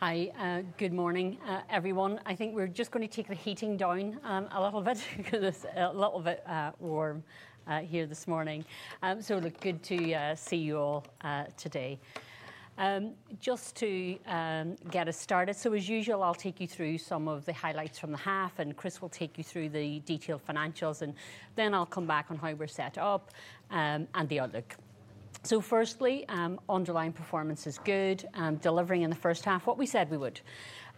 Hi, good morning, everyone. I think we're just going to take the heating down a little bit because it's a little bit warm here this morning. Good to see you all today just to get us started. As usual, I'll take you through some of the highlights from the half and Chris will take you through the detailed financials, then I'll come back on how we're set up and the outlook. Firstly, underlying performance is good. Delivering in the first half what we said we would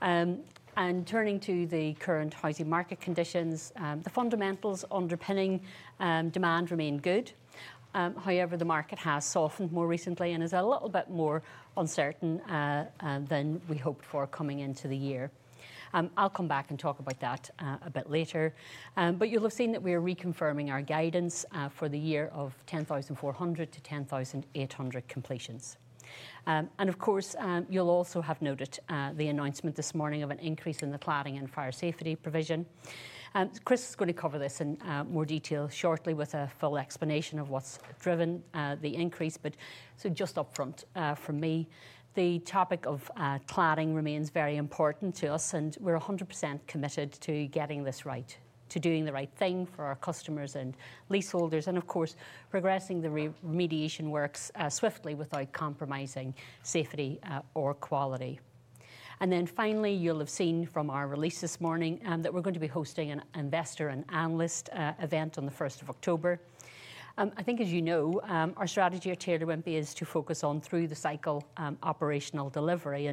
and turning to the current housing market conditions, the fundamentals underpinning demand remain good. However, the market has softened more recently and is a little bit more uncertain than we hoped for coming into the year. I'll come back and talk about that a bit later, but you'll have seen that we are reconfirming our guidance for the year of 10,400-10,800 completions. Of course, you'll also have noted the announcement this morning of an increase in the cladding and fire safety provision. Chris is going to cover this in more detail shortly with a full explanation of what's driven the increase. Just up front, for me, the topic of cladding remains very important to us and we're 100% committed to getting this right, to doing the right thing for our customers and leaseholders. Of course, progressing the remediation works swiftly without compromising safety or quality. Finally, you'll have seen from our release this morning that we're going to be hosting an Investor and Analyst Event on the 1st of October. I think, as you know, our strategy at Taylor Wimpey is to focus on through the cycle, operational delivery.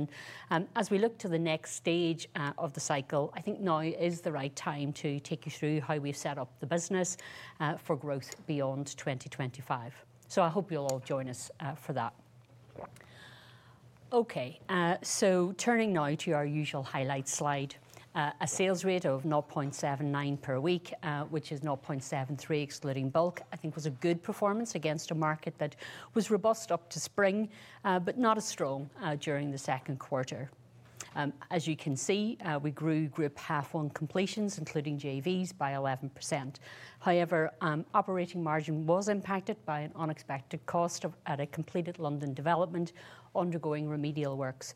As we look to the next stage of the cycle, I think now is the right time to take you through how we've set up the business for growth beyond 2025. I hope you'll all join us for that. Turning now to our usual highlights, slide a sales rate of 0.79 per week, which is 0.73 excluding bulk, I think was a good performance against a market that was robust up to spring, but not as strong during the second quarter. As you can see, we grew group half one completions, including JVs by 11%. However, operating margin was impacted by an unexpected cost at a completed London development undergoing remedial works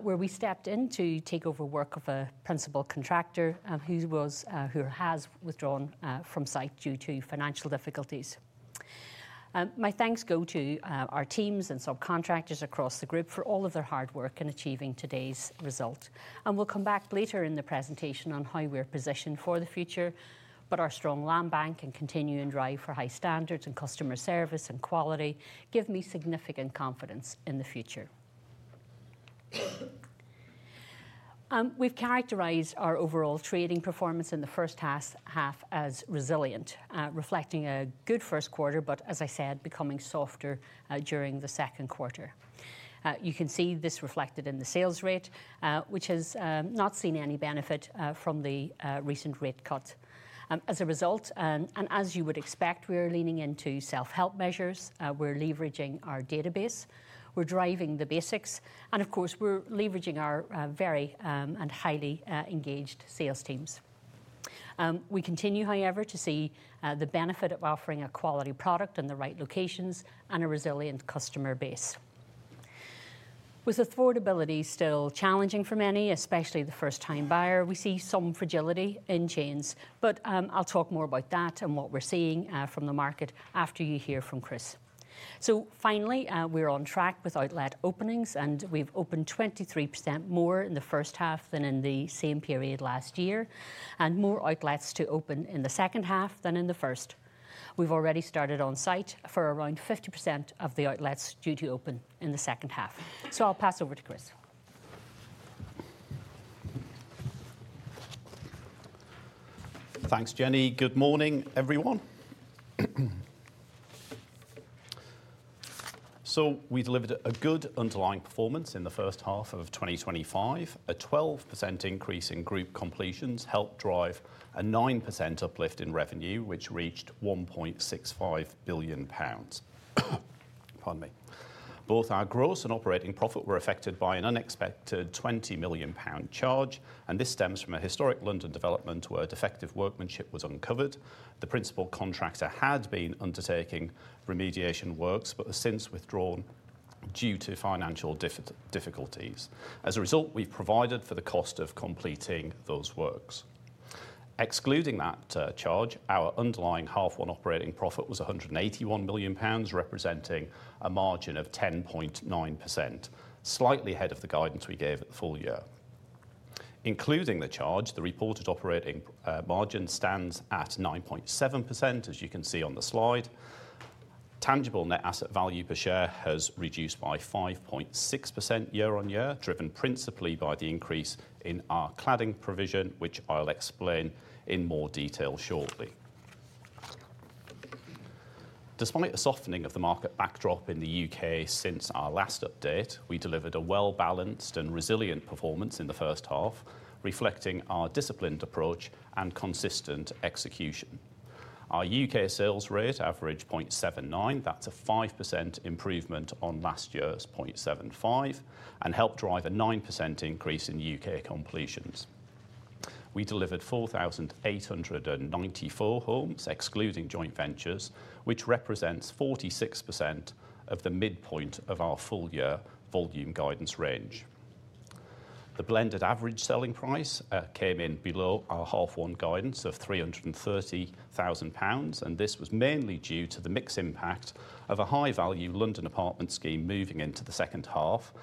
where we stepped in to take over work of a principal contractor who has withdrawn from site due to financial difficulties. My thanks go to our teams and subcontractors across the group for all of their hard work in achieving today's result. We'll come back later in the presentation on how we're positioned for the future. Our strong land bank and continuing drive for high standards in customer service and quality give me significant confidence in the future. We've characterized our overall trading performance in the first half as resilient, reflecting a good first quarter, but, as I said, becoming softer during the second quarter. You can see this reflected in the sales rate, which has not seen any benefit from the recent rate cut. As a result, and as you would expect, we are leaning into self-help measures. We're leveraging our database, we're driving the basics, and of course we're leveraging our very and highly engaged sales teams. We continue, however, to see the benefit of offering a quality product in the right locations and a resilient customer base, with affordability still challenging for many, especially the first-time buyer. We see some fragility in chains, but I'll talk more about that and what we're seeing from the market after you hear from Chris. Finally, we're on track with outlet openings, and we've opened 23% more in the first half than in the same period last year, with more outlets to open in the second half than in the first. We've already started on site for around 50% of the outlets due to open in the second half, so I'll pass over to Chris. Thanks Jennie. Good morning everyone. We delivered a good underlying performance in the first half of 2025. A 12% increase in group completions helped drive a 9% uplift in revenue, which reached 1.65 billion pounds. Both our gross and operating profit were affected by an unexpected 20 million pound charge, and this stems from a historic London development where defective workmanship was uncovered. The principal contractor had been undertaking remediation works but has since withdrawn due to financial difficulties. As a result, we've provided for the cost of completing those works. Excluding that charge, our underlying half one operating profit was 181 million pounds, representing a margin of 10.9%, slightly ahead of the guidance we gave at the full year. Including the charge, the reported operating margin stands at 9.7%. As you can see on the slide, tangible net asset value per share has reduced by 5.6% year on year, driven principally by the increase in our cladding provision, which I'll explain in more detail shortly. Despite a softening of the market backdrop in the U.K. since our last update, we delivered a well-balanced and resilient performance in the first half, reflecting our disciplined approach and consistent execution. Our U.K. sales rate averaged 0.79. That's a 5% improvement on last year's 0.75 and helped drive a 9% increase in U.K. completions. We delivered 4,894 homes excluding joint ventures, which represents 46% of the midpoint of our full year volume guidance range. The blended average selling price came in below our half one guidance of 330,000 pounds, and this was mainly due to the mix impact of a high value London apartment scheme moving into the second half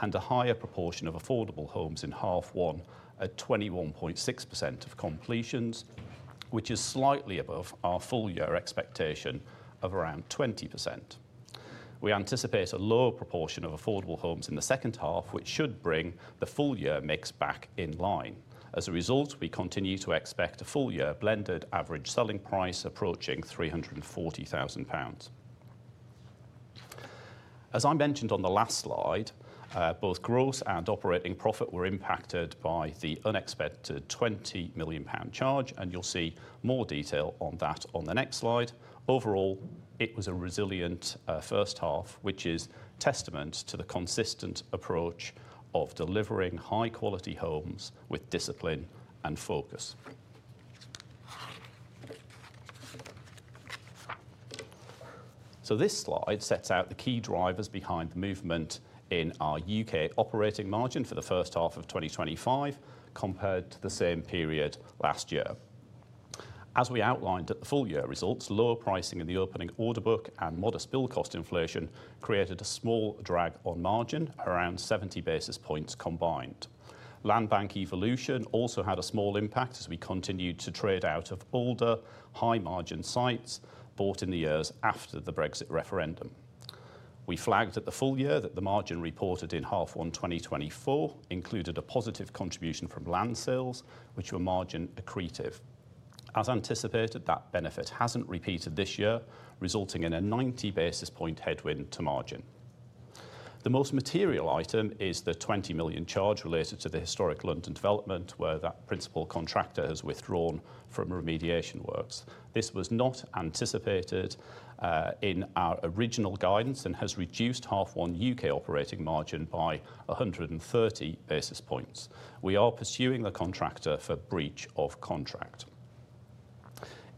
and a higher proportion of affordable homes in half one at 21.6% of completions, which is slightly above our full year expectation of around 20%. We anticipate a lower proportion of affordable homes in the second half, which should bring the full year mix back in line. As a result, we continue to expect a full year blended average selling price approaching 340,000 pounds. As I mentioned on the last slide, both gross and operating profit were impacted by the unexpected 20 million pound charge, and you'll see more detail on that on the next slide. Overall, it was a resilient first half, which is testament to the consistent approach of delivering high quality homes with discipline and focus. This slide sets out the key drivers behind the movement in our U.K. operating margin for the first half of 2025 compared to the same period last year. As we outlined at the full year results, lower pricing in the opening order book and modest build cost inflation created a small drag on margin, around 70 basis points combined. Land bank evolution also had a small impact as we continued to trade out of older high margin sites bought in the years after the Brexit referendum. We flagged at the full year that the margin reported in half one 2024 included a positive contribution from land sales, which were margin accretive. As anticipated, that benefit hasn't repeated this year, resulting in a 90 basis point headwind to margin. The most material item is the 20 million charge related to the historic London development where that principal contractor has withdrawn from remediation works. This was not anticipated in our original guidance and has reduced half one U.K. operating margin by 130 basis points. We are pursuing the contractor for breach of contract.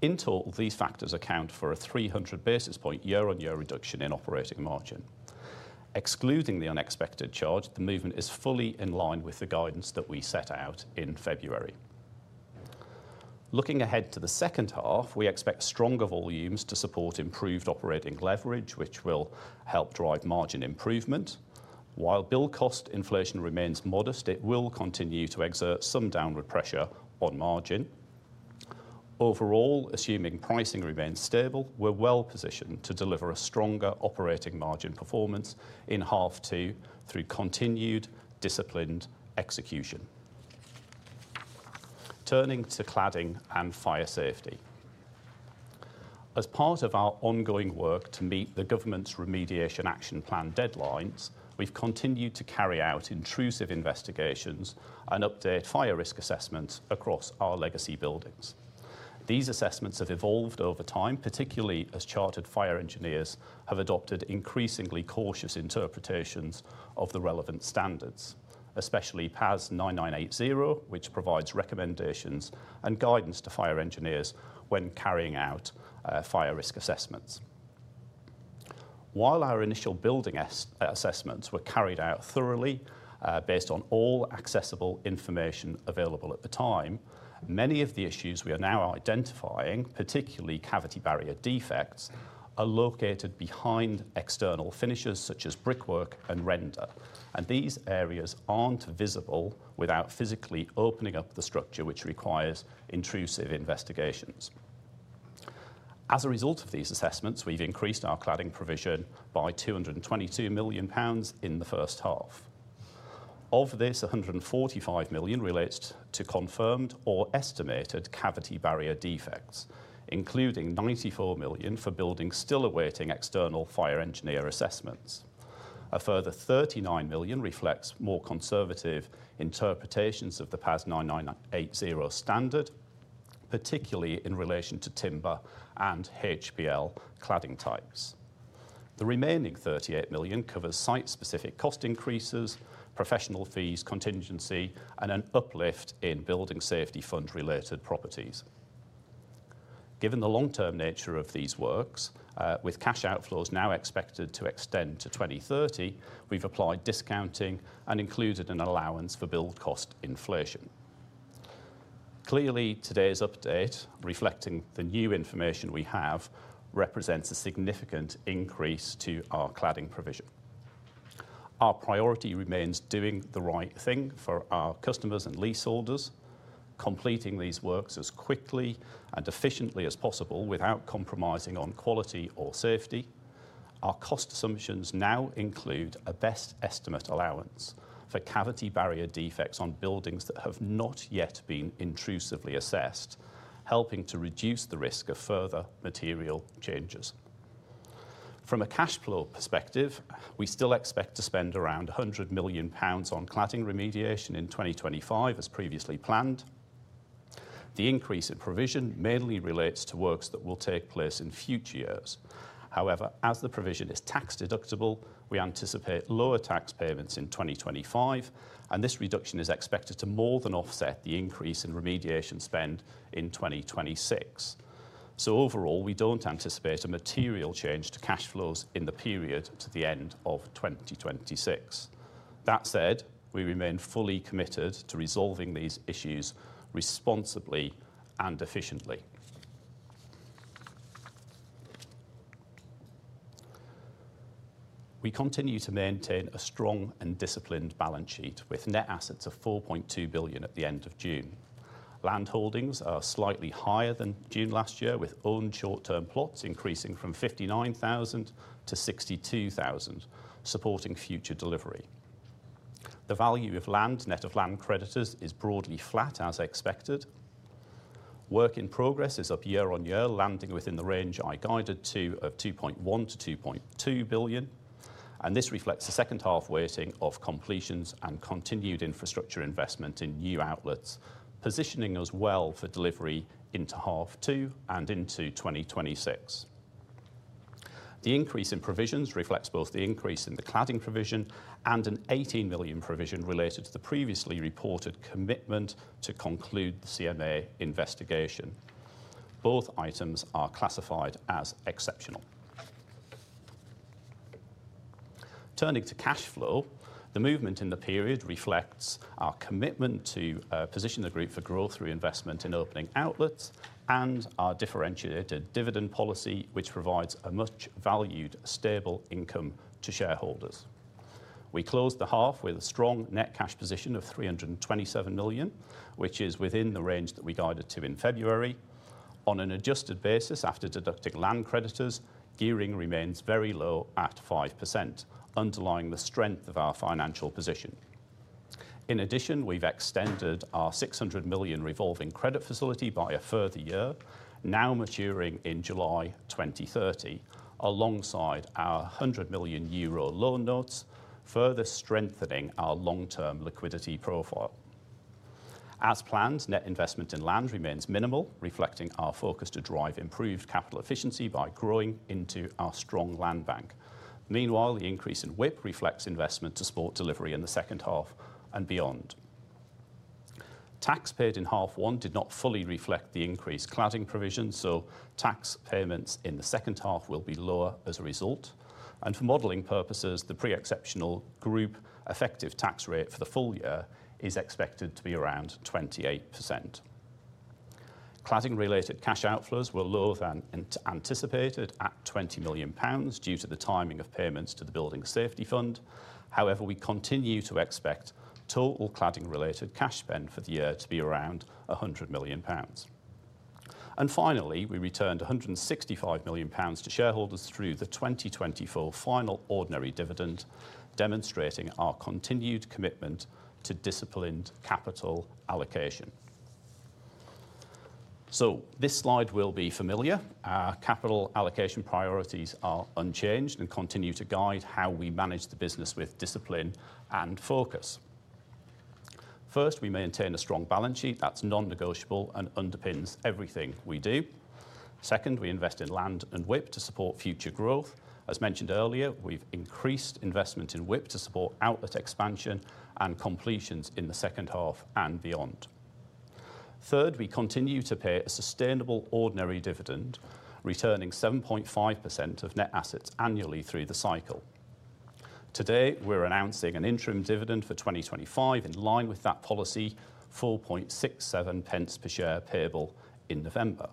In total, these factors account for a 300 basis point year-on-year reduction in operating margin excluding the unexpected charge. The movement is fully in line with the guidance that we set out in February. Looking ahead to the second half, we expect stronger volumes to support improved operating leverage, which will help drive margin improvement. While build cost inflation remains modest, it will continue to exert some downward pressure on margin. Overall, assuming pricing remains stable, we're well positioned to deliver a stronger operating margin performance in half two through continued disciplined execution. Turning to cladding and fire safety, as part of our ongoing work to meet the government's Remediation Action Plan deadlines, we've continued to carry out intrusive investigations and update fire risk assessments across our legacy buildings. These assessments have evolved over time, particularly as chartered fire engineers have adopted increasingly cautious interpretations of the relevant standards, especially PAS 9980, which provides recommendations and guidance to fire engineers when carrying out fire risk assessments. While our initial building assessments were carried out thoroughly based on all accessible information available at the time, many of the issues we are now identifying, particularly cavity barrier defects, are located behind external finishes such as brickwork and render, and these areas aren't visible without physically opening up the structure, which requires intrusive investigations. As a result of these assessments, we've increased our cladding provision by 222 million pounds in the first half. Of this, 145 million relates to confirmed or estimated cavity barrier defects, including 94 million for buildings still awaiting external fire engineer assessments. A further 39 million reflects more conservative interpretations of the PAS 9980 standard, particularly in relation to timber and HPL cladding types. The remaining 38 million covers site-specific cost increases, professional fees, contingency, and an uplift in building safety fund related properties. Given the long-term nature of these works, with cash outflows now expected to extend to 2030, we've applied discounting and included an allowance for build cost inflation. Clearly, today's update reflecting the new information we have represents a significant increase to our cladding provision. Our priority remains doing the right thing for our customers and leaseholders, completing these works as quickly and efficiently as possible without compromising on quality or safety. Our cost assumptions now include a best estimate allowance for cavity barrier defects on buildings that have not yet been intrusively assessed, helping to reduce the risk of further material changes. From a cash flow perspective, we still expect to spend around 100 million pounds on cladding remediation in 2025 as previously planned. The increase in provision mainly relates to works that will take place in future years. However, as the provision is tax deductible, we anticipate lower tax payments in 2025 and this reduction is expected to more than offset the increase in remediation spend in 2026. Overall, we don't anticipate a material change to cash flows in the period to the end of 2026. That said, we remain fully committed to resolving these issues responsibly and efficiently. We continue to maintain a strong and disciplined balance sheet with net assets of 4.2 billion at the end of June. Landholdings are slightly higher than June last year with owned short term plots increasing from 59,000 to 62,000 supporting future delivery. The value of land net of land creditors is broadly flat. As expected, work in progress is up year on year, landing within the range I guided to of 2.1-2.2 billion and this reflects the second half weighting of completions and continued infrastructure investment in new outlets positioning us well for delivery into half two and into 2026. The increase in provisions reflects both the increase in the cladding provision and an 18 million provision related to the previously reported commitment. To conclude the CMA investigation, both items are classified as exceptional. Turning to cash flow, the movement in the period reflects our commitment to position the group for growth reinvestment in opening outlets and our differentiated dividend policy which provides a much valued stable income to shareholders. We closed the half with a strong net cash position of 327 million which is within the range that we guided to in February on an adjusted basis after deducting land creditors. Gearing remains very low at 5% underlying the strength of our financial position. In addition, we've extended our 600 million revolving credit facility by a further year, now maturing in July 2030 alongside our 100 million euro loan notes, further strengthening our long term liquidity profile. As planned, net investment in land remains minimal, reflecting our focus to drive improved capital efficiency by growing into our strong land bank. Meanwhile, the increase in WIP reflects investment to support delivery in the second half and beyond. Tax paid in half one did not fully reflect the increased cladding provision so tax payments in the second half will be lower. As a result and for modelling purposes, the pre-exceptional group effective tax rate for the full year is expected to be around 28%. Cladding related cash outflows were lower than anticipated at 20 million pounds due to the timing of payments to the Building Safety Fund. However, we continue to expect total cladding related cash spend for the year to be around 100 million pounds and finally we returned 165 million pounds to shareholders through the 2024 final ordinary dividend, demonstrating our continued commitment to disciplined capital allocation. This slide will be familiar. Our capital allocation priorities are unchanged and continue to guide how we manage the business with discipline and focus. First, we maintain a strong balance sheet that's non-negotiable and underpins everything we do. Second, we invest in land and WIP to support future growth. As mentioned earlier, we've increased investment in WIP to support outlet expansion and completions in the second half and beyond. Third, we continue to pay a sustainable ordinary dividend, returning 7.5% of net assets annually through the cycle. Today, we're announcing an interim dividend for 2025 in line with that policy, 0.0467 per share, payable in November.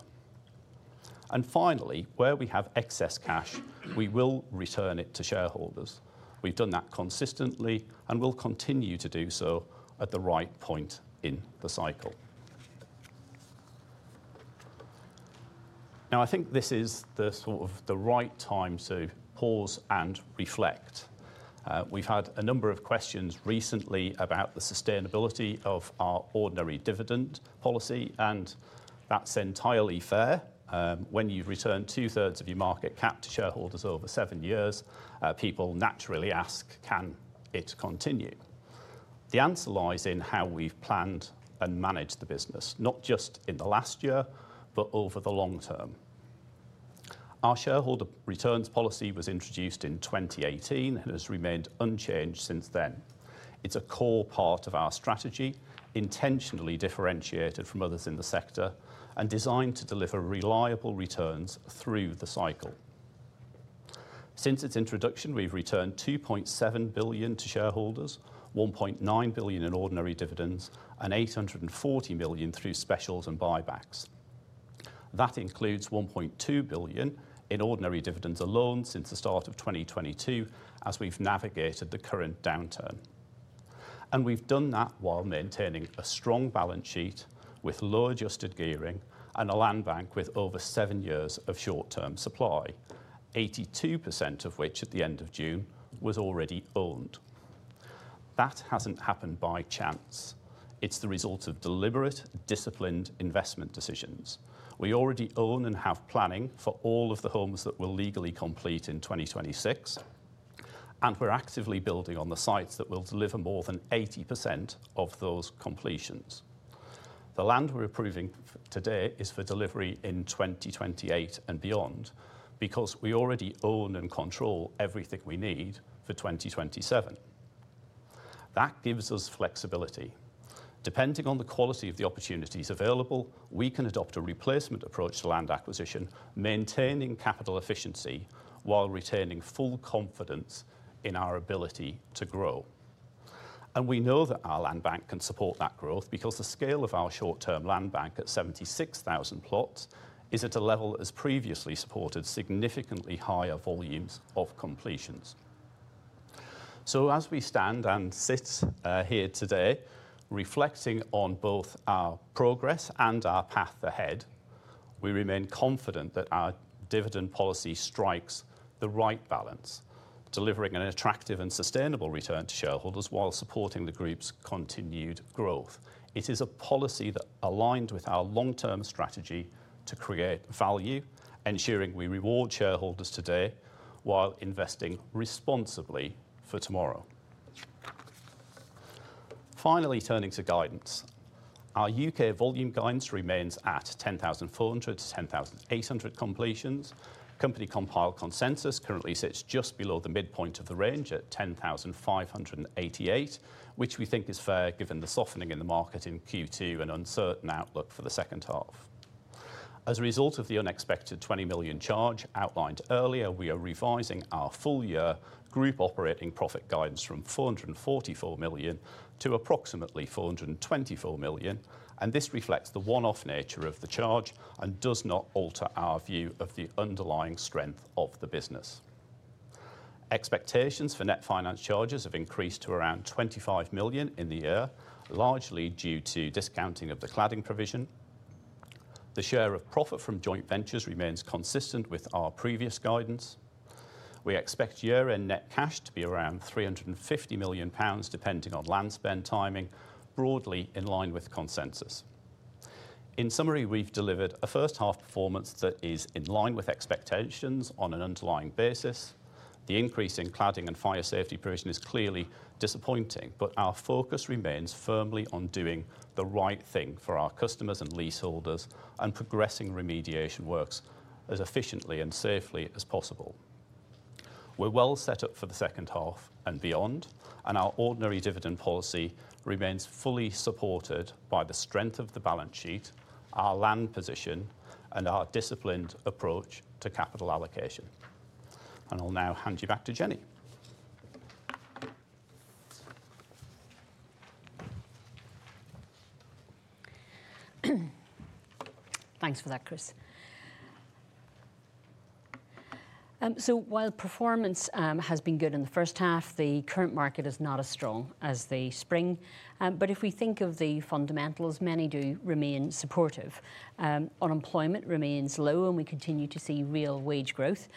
Finally, where we have excess cash, we will return it to shareholders. We've done that consistently and will continue to do so at the right point in the cycle. Now, I think this is the right time to pause and reflect. We've had a number of questions recently about the sustainability of our ordinary dividend policy, and that's entirely fair. When you've returned 2/3 of your market cap to shareholders over seven years, people naturally ask, can it continue? The answer lies in how we've planned and manage the business, not just in the last year, but over the long term. Our shareholder returns policy was introduced in 2018 and has remained unchanged since then. It's a core part of our strategy, intentionally differentiated from others in the sector and designed to deliver reliable returns through the cycle. Since its introduction, we've returned 2.7 billion to shareholders, 1.9 billion in ordinary dividends and 840 million through specials and buybacks. That includes 1.2 billion in ordinary dividends alone since the start of 2022. As we've navigated the current downturn, we've done that while maintaining a strong balance sheet with low adjusted gearing and a land bank with over seven years of short-term supply, 82% of which at the end of June was already owned. That hasn't happened by chance. It's the result of deliberate, disciplined investment decisions. We already own and have planning for all of the homes that will legally complete in 2026, and we're actively building on the sites that will deliver more than 80% of those completions. The land we're approving today is for delivery in 2028 and beyond, because we already own and control everything we need for 2027. That gives us flexibility, depending on the quality of the opportunities available. We can adopt a replacement approach to land acquisition, maintaining capital efficiency while retaining full confidence in our ability to grow. We know that our land bank can support that growth because the scale of our short term land bank at 76,000 plots is at a level as previously supported, significantly higher volumes of completions. As we stand and sit here today, reflecting on both our progress and our path ahead, we remain confident that our dividend policy strikes the right balance, delivering an attractive and sustainable return to shareholders while supporting the group's continued growth. It is a policy that aligns with our long term strategy to create value, ensuring we reward shareholders today while investing responsibly for tomorrow. Finally, turning to guidance, our U.K. volume guidance remains at 10,400-10,800 completions. Company compiled consensus currently sits just below the midpoint of the range at 10,588, which we think is fair given the softening in the market in Q2 and uncertain outlook for the second half as a result of the unexpected 20 million charge outlined earlier. We are revising our full year group operating profit guidance from 444 million to approximately 424 million and this reflects the one off nature of the charge and does not alter our view of the underlying strength of the business. Expectations for net finance charges have increased to around 25 million in the year, largely due to discounting of the cladding provision. The share of profit from joint ventures remains consistent with our previous guidance. We expect year end net cash to be around 350 million pounds depending on land spend, timing broadly in line with consensus. In summary, we've delivered a first half performance that is in line with expectations on an underlying basis. The increase in cladding and fire safety provision is clearly disappointing, but our focus remains firmly on doing the right thing for our customers and leaseholders and progressing remediation works as efficiently and safely as possible. We're well set up for the second half and beyond and our ordinary dividend policy remains fully supported by the strength of the balance sheet, our land position and our disciplined approach to capital allocation. I'll now hand you back to Jennie. Thanks for that, Chris. While performance has been good in the first half, the current market is not as strong as the spring. If we think of the fundamentals, many do remain supportive. Unemployment remains low, and we continue to see real wage growth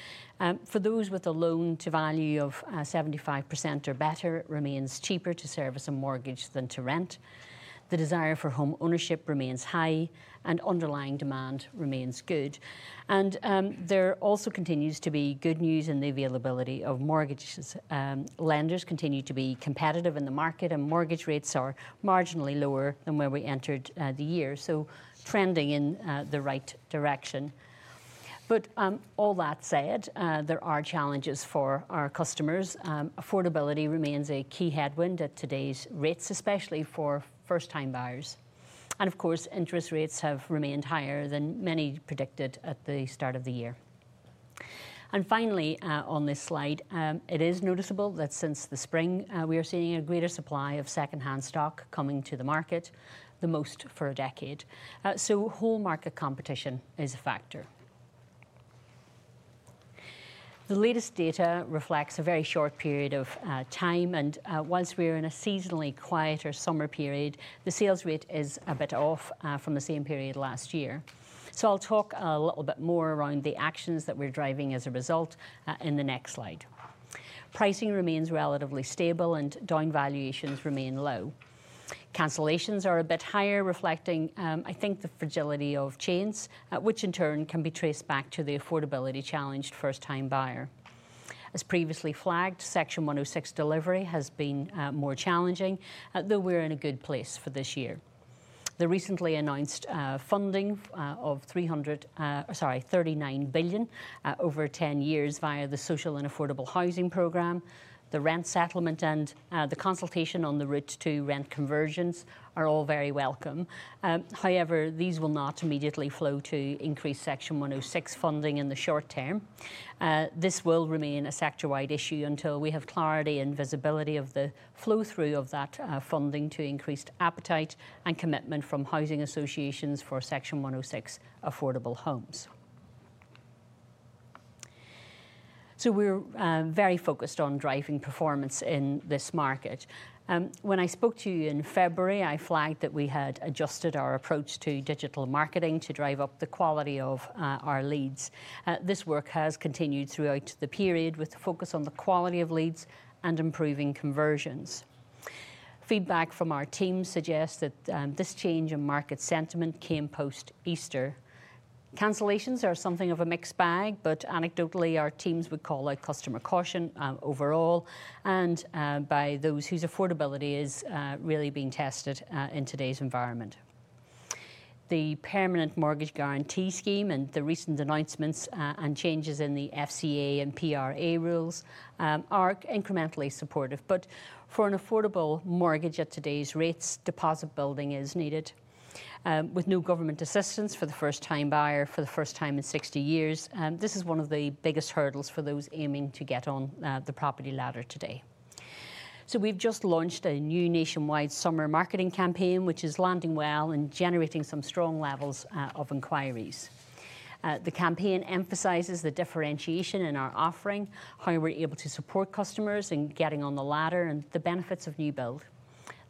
for those with a loan to value of 75% or better. It remains cheaper to service a mortgage than to rent, the desire for home ownership remains high, and underlying demand remains good. There also continues to be good news in the availability of mortgage lenders, who continue to be competitive in the market, and mortgage rates are marginally lower than where we entered the year, trending in the right direction. All that said, there are challenges for our customers. Affordability remains a key headwind at today's rates, especially for first-time buyers, and of course, interest rates have remained higher than many predicted at the start of the year. Finally, on this slide, it is noticeable that since the spring, we are seeing a greater supply of second-hand stock coming to the market, the most for a decade. Whole market competition is a factor. The latest data reflects a very short period of time, and whilst we are in a seasonally quieter summer period, the sales rate is a bit off from the same period last year. I'll talk a little bit more around the actions that we're driving as a result in the next slide. Pricing remains relatively stable, and down valuations remain low. Cancellations are a bit higher, reflecting, I think, the fragility of chains, which in turn can be traced back to the affordability-challenged first-time buyer. As previously flagged, Section 106 delivery has been more challenging, though we're in a good place for this year. The recently announced funding of 39 billion over 10 years via the social and affordable housing program, the rent settlement, and the consultation on the route to rent conversions are all very welcome. However, these will not immediately flow to increased Section 106 funding in the short term. This will remain a sector-wide issue until we have clarity and visibility of the flow-through of that funding to increased appetite and commitment from housing associations for Section 106 affordable homes. We're very focused on driving performance in this market. When I spoke to you in February, I flagged that we had adjusted our approach to digital marketing to drive up the quality of our leads. This work has continued throughout the period with focus on the quality of leads and improving conversions. Feedback from our team suggests that this change in market sentiment came post-Easter. Cancellations are something of a mixed bag, but anecdotally our teams would call out customer caution overall and by those whose affordability is really being tested in today's environment. The permanent Mortgage Guarantee Scheme and the recent announcements and changes in the FCA and PRA rules are incrementally supportive. For an affordable mortgage at today's rates, deposit building is needed with no government assistance. For the first-time buyer for the first time in 60 years, this is one of the biggest hurdles for those aiming to get on the property ladder today. We've just launched a new nationwide summer marketing campaign which is landing well and generating some strong levels of inquiries. The campaign emphasizes the differentiation in our offering, how we're able to support customers in getting on the ladder, and the benefits of new build.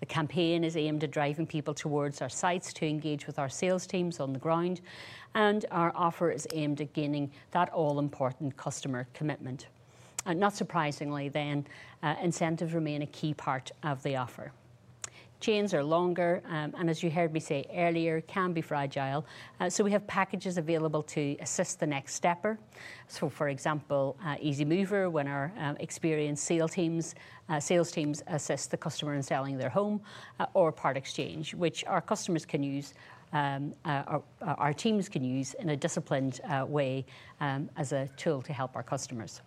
The campaign is aimed at driving people towards our sites to engage with our sales teams on the ground, and our offer is aimed at gaining that all-important customer commitment. Not surprisingly, incentives remain a key part of the offer. Chains are longer and, as you heard me say earlier, can be fragile. We have packages available to assist the next stepper. For example, Easymover, when our experienced sales teams assist the customer in selling their home, or Part Exchange, which our customers can use, our teams can use in a disciplined way as a tool to help our customers.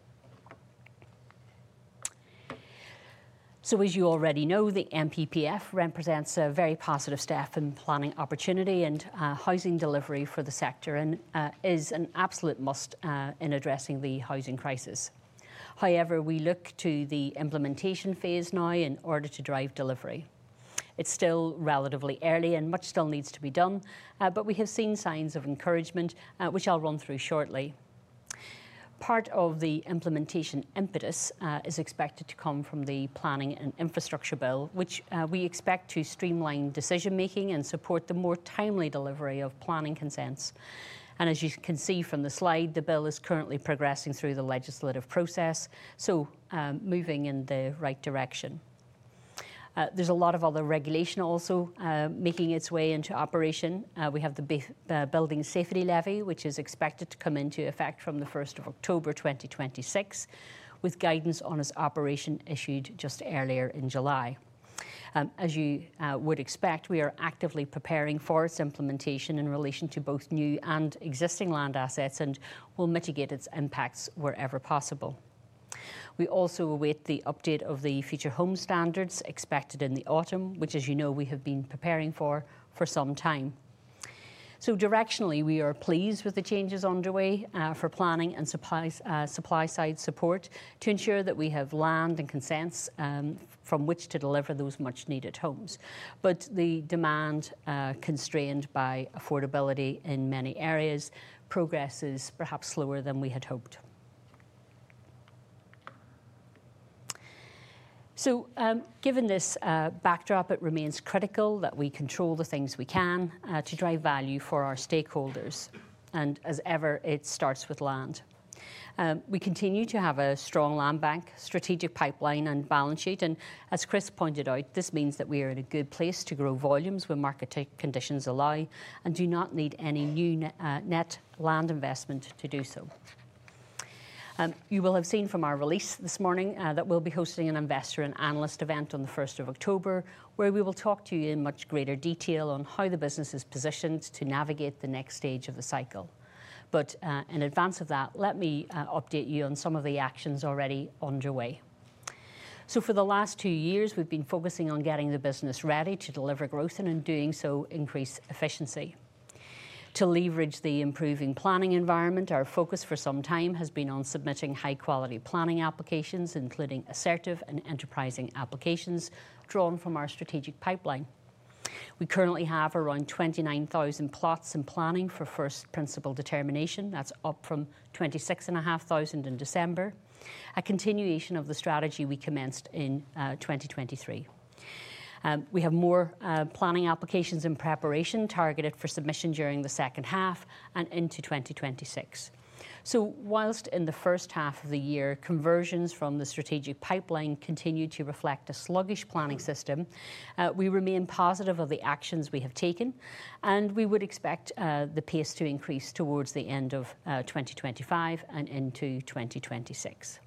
As you already know, the MPPF represents a very positive step in planning opportunity, and housing delivery for the sector is an absolute must in addressing the housing crisis. We look to the implementation phase now in order to drive delivery. It's still relatively early and much still needs to be done, but we have seen signs of encouragement, which I'll run through shortly. Part of the implementation impetus is expected to come from the Planning and Infrastructure Bill, which we expect to streamline decision-making and support the more timely delivery of planning consents. As you can see from the slide, the bill is currently progressing through the legislative process, moving in the right direction. There is a lot of other regulation also making its way into operation. We have the Building Safety Levy, which is expected to come into effect from the 1st of October, 2026, with guidance on its operation issued just earlier in July. As you would expect, we are actively preparing for its implementation in relation to both new and existing land, as well as will mitigate its impacts wherever possible. We also await the update of the future home standards expected in the autumn, which, as you know, we have been preparing for for some time. Directionally, we are pleased with the changes underway for planning and supply side support to ensure that we have land and consents from which to deliver those much-needed homes. The demand, constrained by affordability in many areas, means progress is perhaps slower than we had hoped. Given this backdrop, it remains critical that we control the things we can to drive value for our stakeholders. As ever, it starts with land. We continue to have a strong land bank, strategic pipeline, and balance sheet, and as Chris pointed out, this means that we are in a good place to grow volumes when market conditions allow and do not need any new net land investment to do so. You will have seen from our release this morning that we'll be hosting an Investor and Analyst Event on 1st of October, where we will talk to you in much greater detail on how the business is positioned to navigate the next stage of the cycle. In advance of that, let me update you on some of the actions already underway. For the last two years, we've been focusing on getting the business ready to deliver growth and, in doing so, increase efficiency to leverage the improving planning environment. Our focus for some time has been on submitting high-quality planning applications, including assertive and enterprising applications drawn from our strategic pipeline. We currently have around 29,000 plots in planning for first principal determination. That's up from 26,500 in December, a continuation of the strategy we commenced in 2023. We have more planning applications in preparation targeted for submission during the second half and into 2026. Whilst in the first half of the year, conversions from the strategic pipeline continue to reflect a sluggish planning system, we remain positive of the actions we have taken, and we would expect the pace to increase towards the end of 2025 and into 2026.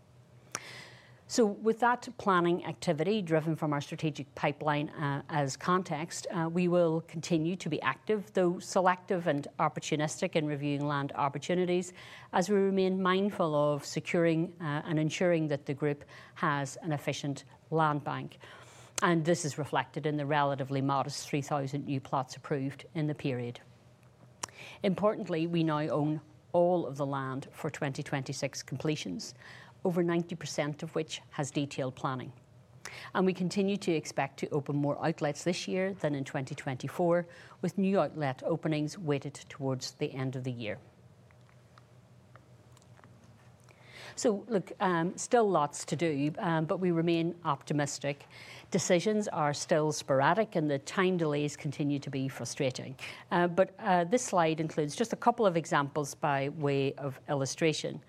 With that planning activity driven from our strategic pipeline as context, we will continue to be active, though selective and opportunistic, in reviewing land opportunities as we remain mindful of securing and ensuring that the group has an efficient land bank. This is reflected in the relatively modest 3,000 new plots approved in the period. Importantly, we now own all of the land for 2026 completions, over 90% of which has detailed planning. We continue to expect to open more outlets this year than in 2024, with new outlet openings weighted towards the end of the year. There is still lots to do, but we remain optimistic. Decisions are still sporadic and the time delays continue to be frustrating. This slide includes just a couple of examples by way of illustration.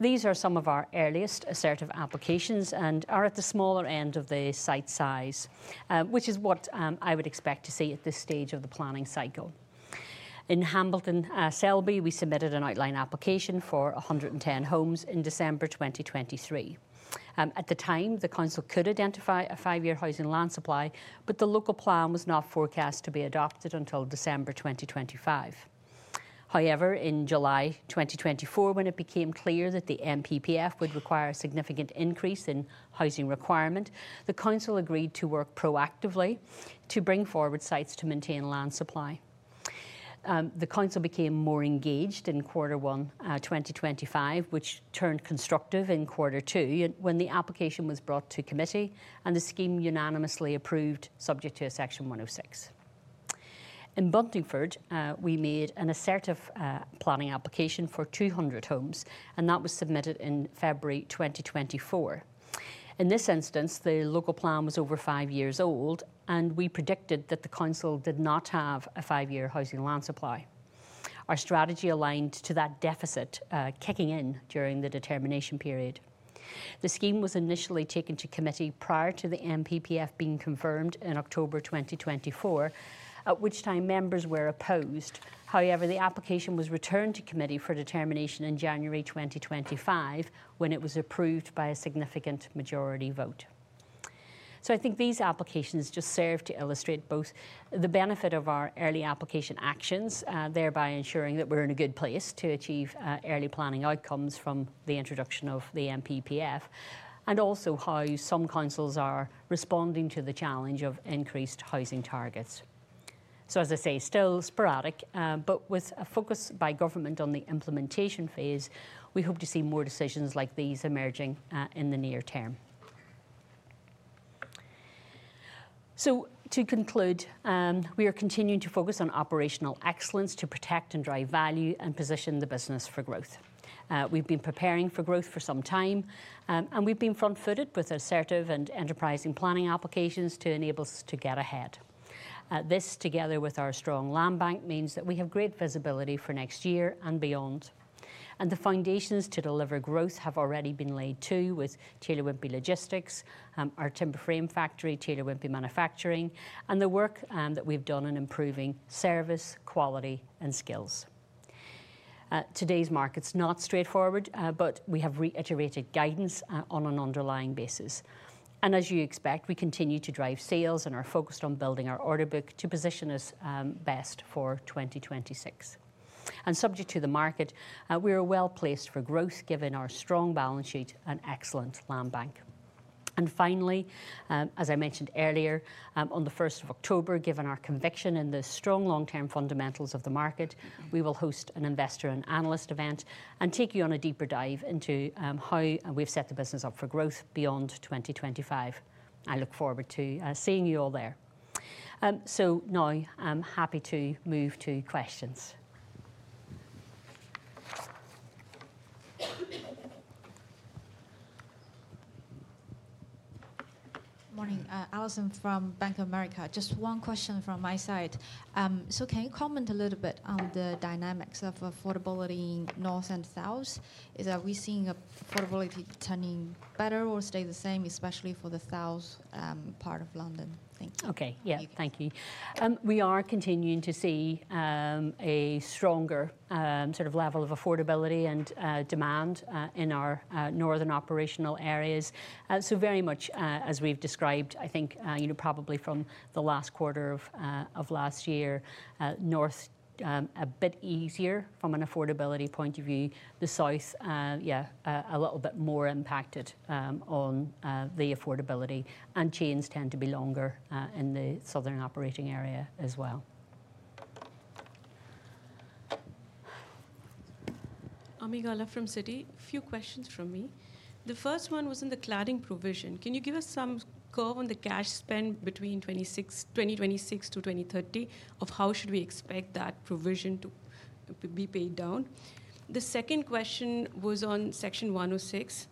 These are some of our earliest assertive applications and are at the smaller end of the site size, which is what I would expect to see at this stage of the planning cycle. In Hambleton Selby, we submitted an outline application for 110 homes in December 2023. At the time, the council could identify a five-year housing land supply, but the local plan was not forecast to be adopted until December 2025. In July 2024, when it became clear that the MPPF would require a significant increase in housing requirement, the council agreed to work proactively to bring forward sites to maintain land supply. The council became more engaged in quarter one, 2025, which turned constructive in quarter two when the application was brought to committee and the scheme unanimously approved subject to Section 106. In Buntingford, we made an assertive planning application for 200 homes and that was submitted in February 2024. In this instance, the local plan was over five years old and we predicted that the council did not have a five-year housing land supply. Our strategy aligned to that deficit kicking in during the determination period. The scheme was initially taken to committee prior to the MPPF being confirmed in October 2024, at which time members were opposed. The application was returned to committee for determination in January 2025 when it was approved by a significant majority vote. I think these applications just serve to illustrate both the benefit of our early application actions, thereby ensuring that we're in a good place to achieve early planning outcomes from the introduction of the MPPF, and also how some councils are responding to the challenge of increased housing targets. As I say, still sporadic, but with a focus by government on the implementation phase, we hope to see more decisions like these emerging in the near term. To conclude, we are continuing to focus on operational excellence to protect and drive value and position the business for growth. We've been preparing for growth for some time and we've been front footed with assertive and enterprising planning applications to enable us to get ahead. This, together with our strong land bank, means that we have great visibility for next year and beyond. The foundations to deliver growth have already been laid too with Taylor Wimpey Logistics, our timber frame factory, Taylor Wimpey Manufacturing, and the work that we've done in improving service, quality, and skills. Today's market is not straightforward, but we have reiterated guidance on an underlying basis. As you expect, we continue to drive sales and are focused on building our order book to position us best for 2026. Subject to the market, we are well placed for growth given our strong balance sheet and excellent land bank. Finally, as I mentioned earlier, on the 1st of October, given our conviction in the strong long term fundamentals of the market, we will host an Investor and Analyst Event and take you on a deeper dive into how we've set the business up for growth beyond 2025. I look forward to seeing you all there. I am happy to move to question. Morning, Allison from Bank of America. Just one question from my side. Can you comment a little bit on the dynamics of affordability, north and south? Are we seeing affordability turning better or stay the same, especially for the south part of London? Okay, yeah, thank you. We are continuing to see a stronger sort of level of affordability and demand in our northern operational areas. Very much as we've described, I think probably from the last quarter of last year, North a bit easier from an affordability point of view, the South a little bit more impacted on the affordability and chains tend to be longer in the southern operating area as well. Ami Galla from Citi, few questions from me. The first one was in the cladding provision. Can you give us some curve on the cash spend between 2026-2030 of how should we expect that provision to be paid down? The second question was on Section 106.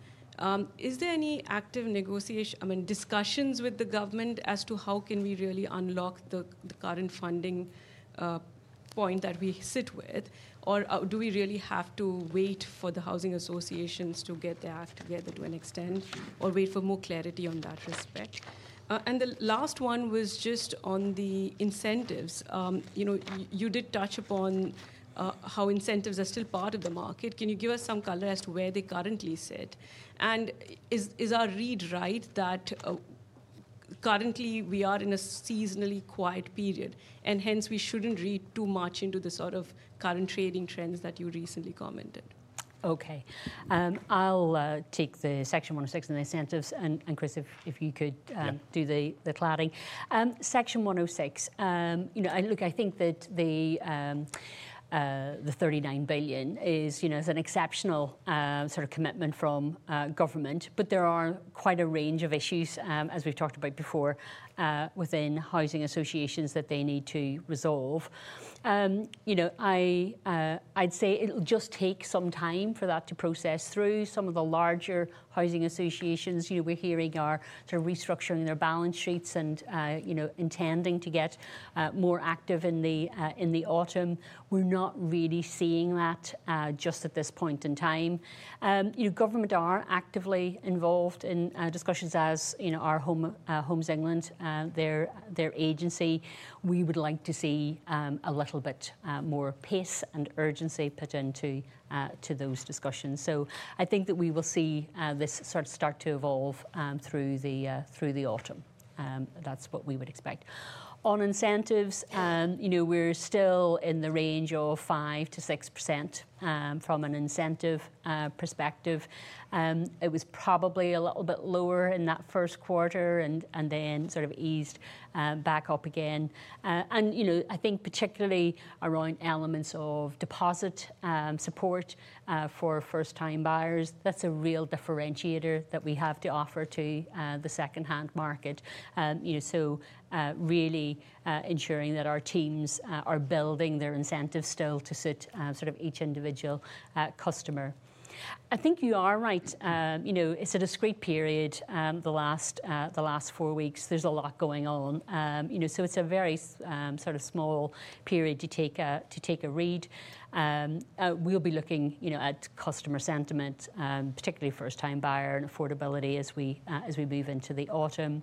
Is there any active negotiation, I mean discussions with the government as to how can we really unlock the current funding point that we sit with or do we really have to wait for the housing associations to get their act together to an extent or wait for more clarity on that respect? The last one was just on the incentives. You did touch upon how incentives are still part of the market. Can you give us some color as to where they currently sit? Is our read right that currently we are in a seasonally quiet period and hence we shouldn't read too much into the sort of current trading trends that you recently commented? Okay, I'll take the Section 106 and incentives, and Chris, if you could do the cladding Section 106. I think that the 39 billion is an exceptional sort of commitment from government, but there are quite a range of issues as we've talked about before within housing associations that they need to resolve. I'd say it'll just take some time for that to process through. Some of the larger housing associations, we're hearing, are restructuring their balance sheets and intending to get more active in the autumn. We're not really seeing that just at this point in time. Government are actively involved in discussions, as you know, are Homes England, their agency. We would like to see a little bit more pace and urgency put into those discussions. I think that we will see this sort of start to evolve through the autumn. That's what we would expect. On incentives, we're still in the range of 5%-7.6%. From an incentive perspective, it was probably a little bit lower in that first quarter and then eased back up again. I think particularly around elements of deposit support for first time buyers. That's a real differentiator that we have to offer to the second hand market. Really ensuring that our teams are building their incentives still to suit each individual customer. I think you are right. It's a discrete period, the last four weeks. There's a lot going on, so it's a very small period to take a read. We'll be looking at customer sentiment, particularly first time buyer and affordability as we move into the autumn.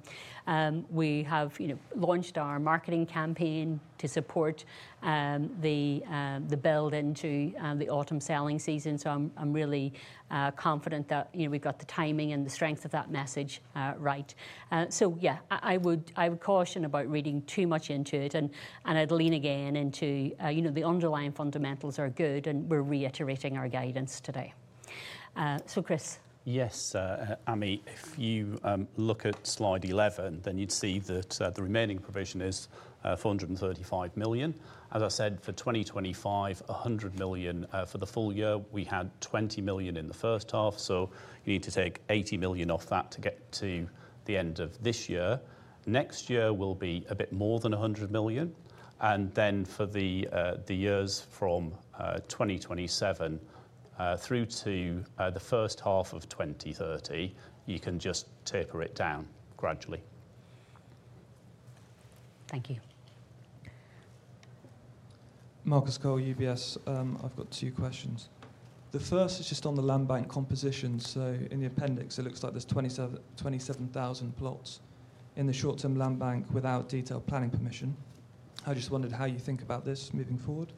We have launched our marketing campaign to support the build into the autumn selling season. I'm really confident that we've got the timing and the strength of that message right. I would caution about reading too much into it and I'd lean again into the underlying fundamentals are good and we're reiterating our guidance today. Chris? Yes, Ami? If you look at slide 11, then you'd see that the remaining provision is 435 million. As I said, for 2025, 100 million for the full year. We had 20 million in the first half. You need to take 80 million off that to get to the end of this year. Next year will be a bit more than 100 million, and for the years from 2027 through to the first half of 2030, you can just taper it down gradually. Thank you. Marcus Cole, UBS. I've got two questions. The first is just on the land bank composition. In the appendix it looks like there's 27,000 plots in the short term land bank without detailed planning permission. I just wondered how you think about this moving forward.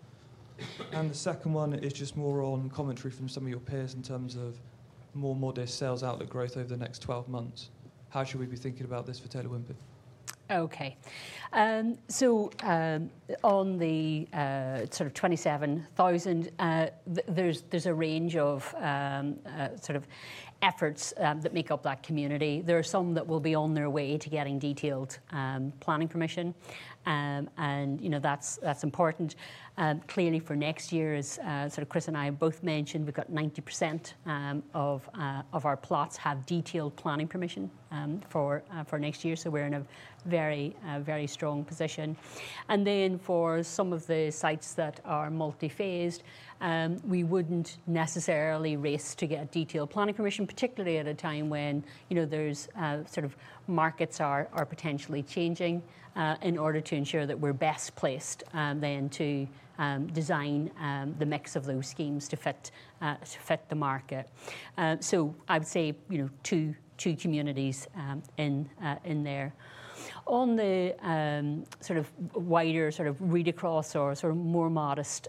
The second one is just more on commentary from some of your peers in terms of more modest sales outlook growth over the next 12 months. How should we be thinking about this for Taylor Wimpey? Okay, so on the sort of 27,000, there's a range of efforts that make up that community. There are some that will be on their way to getting detailed planning permission and, you know, that's important clearly for next year as Chris and I both mentioned, we've got 90% of our plots have detailed planning permission for next year. We're in a very, very strong position. For some of the sites that are multi-phased, we wouldn't necessarily race to get a detailed planning permission, particularly at a time when, you know, markets are potentially changing in order to ensure that we're best placed then to design the mix of those schemes to fit the market. I would say two communities in there on the wider read across or more modest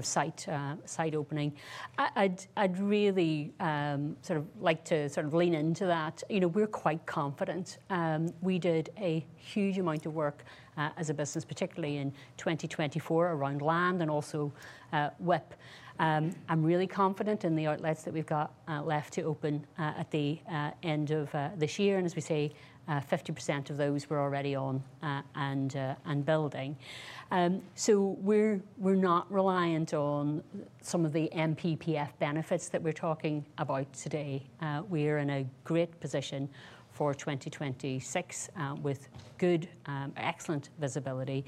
site opening. I'd really like to lean into that. We're quite confident we did a huge amount of work as a business, particularly in 2024, around land and also WIP. I'm really confident in the outlets that we've got left to open at the end of this year and, as we say, 50% of those were already on and building. We're not reliant on some of the MPPF benefits that we're talking about today. We are in a great position for 2026 with good, excellent visibility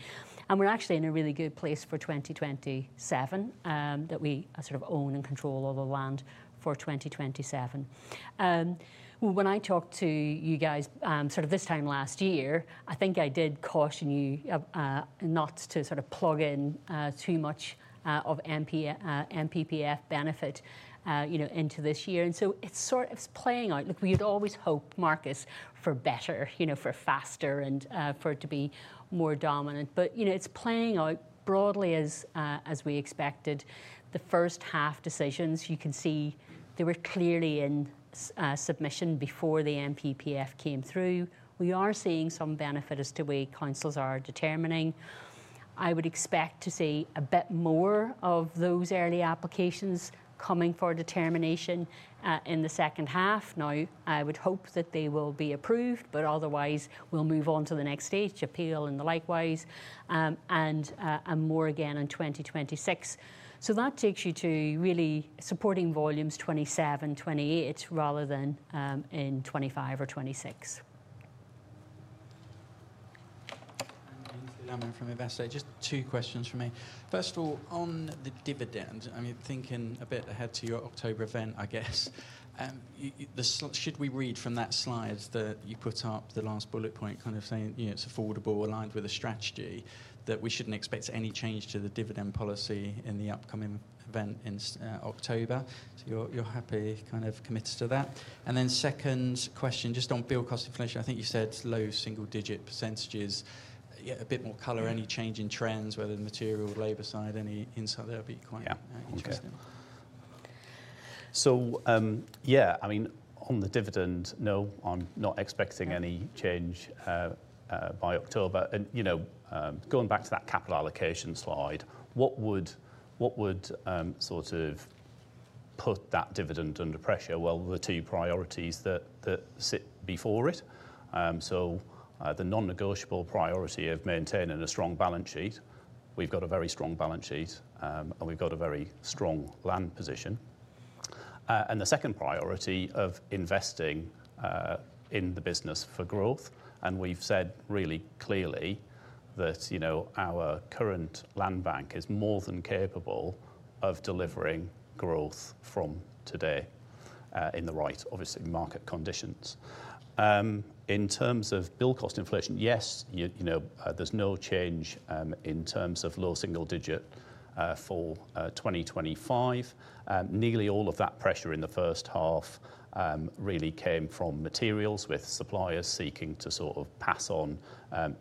and we're actually in a really good place for 2027 that we own and control all the land for 2027. When I talked to you guys this time last year, I think I did caution you not to plug in too much of MPPF benefit into this year. It's playing out. Look, we had always hoped, Marcus, for better, for faster and for it to be more dominant, but it's playing out broadly as we expected. The first half decisions, you can see they were clearly in submission before the MPPF came through. We are seeing some benefit as to where councils are determining. I would expect to see a bit more of those early applications coming for determination in the second half now. I would hope that they will be approved, but otherwise we'll move on to the next stage appeal and likewise and more again in 2026. That takes you to really supporting volumes 2027, 2028 rather than in 2025 or 2026. Just two questions for me. First of all, on the dividend, I mean, thinking a bit ahead to your October event, I guess, should we read from that slide that you put up, the last bullet point, kind of saying it's affordable, aligned with the strategy, that we shouldn't expect any change to the dividend policy in the upcoming event in October. You're happy, kind of committed to that. Second question, just on build cost inflation, I think you said low single digit percentages, a bit more color. Any change in trends, whether material or labor side, any insight there would be quite interesting. On the dividend, no, I'm not expecting any change by October. Going back to that capital allocation slide, what would sort of put that dividend under pressure? The two priorities that sit before it. The non-negotiable priority of maintaining a strong balance sheet. We've got a very strong balance sheet and we've got a very strong land position. The second priority of investing in the business for growth. We've said really clearly that our current land bank is more than capable of delivering growth from today in the right, obviously, market conditions. In terms of build cost inflation, yes, there's no change in terms of low single digit for 2024, 2025. Nearly all of that pressure in the first half really came from materials, with suppliers seeking to sort of pass on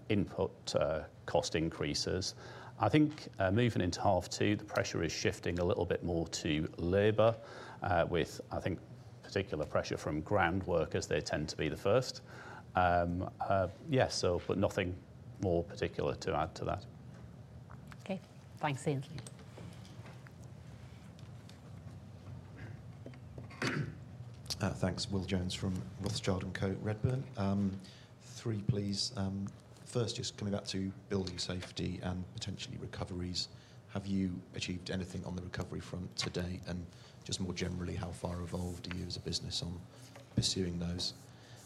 input cost increases. I think moving into half two, the pressure is shifting a little bit more to labor, with particular pressure from ground workers. They tend to be the first. Nothing more particular to add to that. Okay, thanks Aynsley. Thanks. Will Jones from Rothschild & Co Redburn, three, please. First, just coming back to building safety and potentially recoveries, have you achieved anything on the recovery front to date and just more generally, how far evolved are you as a business on pursuing those?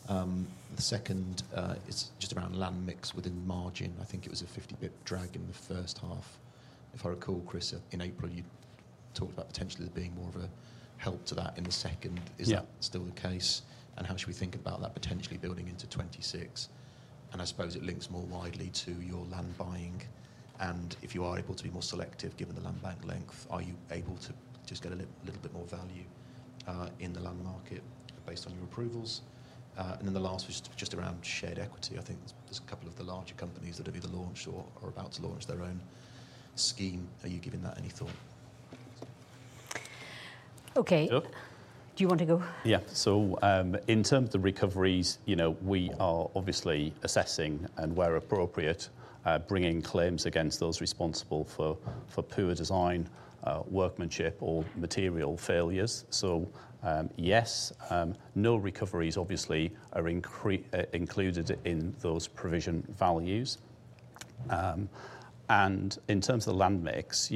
The second is just around land mix within margin. I think it was a 50 bps drag in the first half. If I recall, Chris, in April you talked about potentially being more of a help to that in the second. Is that still the case and how should we think about that? Potentially building into 2026 and I suppose it links more widely to your land buying. If you are able to be more selective, given the land bank length, are you able to just get a little bit more value in the land market based on your approvals? The last was just around shared equity. I think there's a couple of the larger companies that have either launched or are about to launch their own scheme. Are you giving that any thought? Okay, do you want to go? Yeah. In terms of recoveries, we are obviously assessing and, where appropriate, bringing claims against those responsible for poor design, workmanship, or material failures. Yes, recoveries are included in those provision values. In terms of land mix,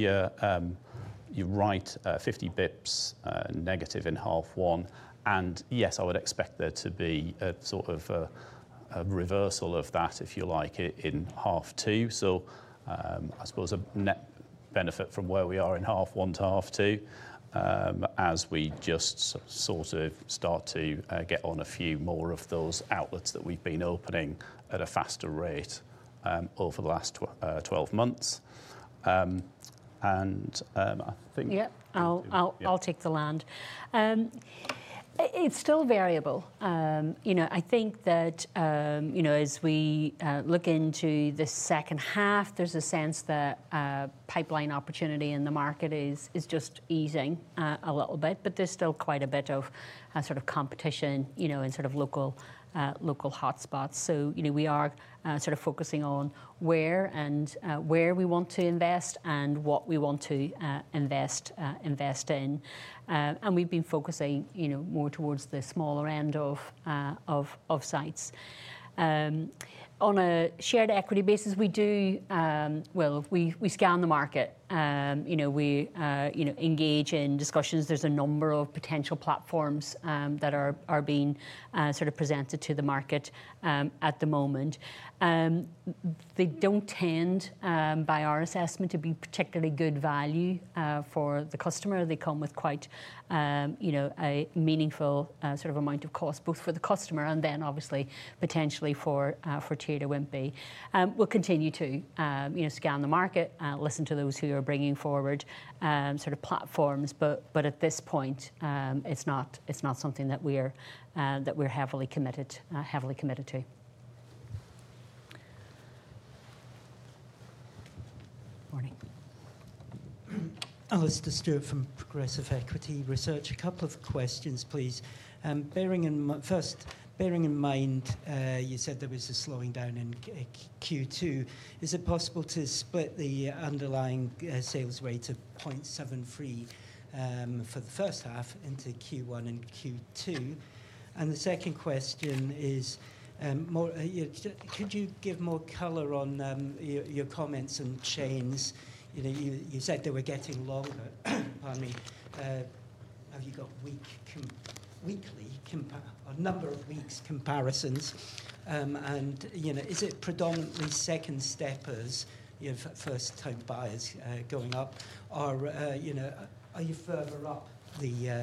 you are right, 50 bps negative in half one. I would expect there to be a sort of reversal of that, if you like, in half two. I suppose a net benefit from where we are in half one to half two as we just start to get on a few more of those outlets that we've been opening at a faster rate over the last 12 months. I think I'll take the land. It's still variable. As we look into the second half, there's a sense that pipeline opportunity in the market is just easing a little bit. There's still quite a bit of competition in local hotspots. We are focusing on where we want to invest and what we want to invest in. We've been focusing more towards the smaller end of sites on a shared equity basis. We do well, we scan the market, we engage in discussions. There's a number of potential platforms that are being presented to the market at the moment. They don't tend by our assessment to be particularly good value for the customer. They come with quite a meaningful amount of cost both for the customer and then obviously potentially for Taylor Wimpey. We'll continue to scan the market, listen to those who are bringing forward platforms. At this point, it's not something that we're heavily committed to. Morning. Alastair Stewart from Progressive Equity Research. A couple of questions please. First, bearing in mind you said there was a slowing down in Q2, is it possible to split the underlying sales rate of 0.73 for the first half into Q1 and Q2? The second question is, could you give more color on your comments and chains, you said they were getting longer. Pardon me, have you got weekly, a number of weeks comparisons and is it predominantly second steppers? You have first time buyers going up or are you further up the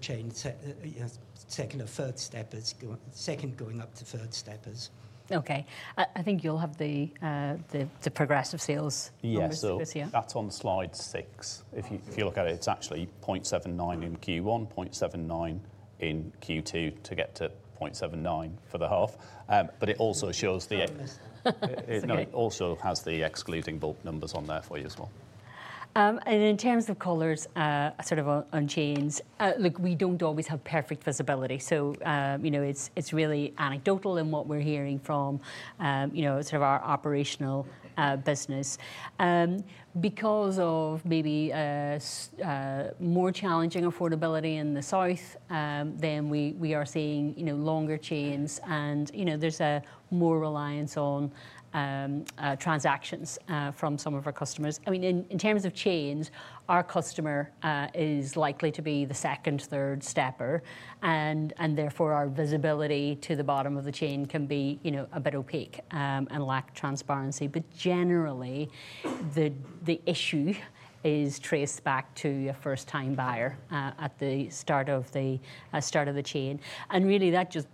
chain, second or third steppers? Second going up to third steppers. I think you'll have the progressive sales. This year that's on slide six. If you look at it, it's actually 0.79 in Q1, 0.79 in Q2 to get to 0.79 for the half. It also shows the exception including bulk numbers on that for you as well. In terms of colors sort of on chains, look, we don't always have perfect visibility. It's really anecdotal in what we're hearing from our operational business because of maybe more challenging affordability in the south. We are seeing longer chains and there's more reliance on transactions from some of our customers. In terms of chains, our customer is likely to be the second or third stepper and therefore our visibility to the bottom of the chain can be a bit opaque and lack transparency. Generally, the issue is traced back to a first time buyer at the start of the chain. That just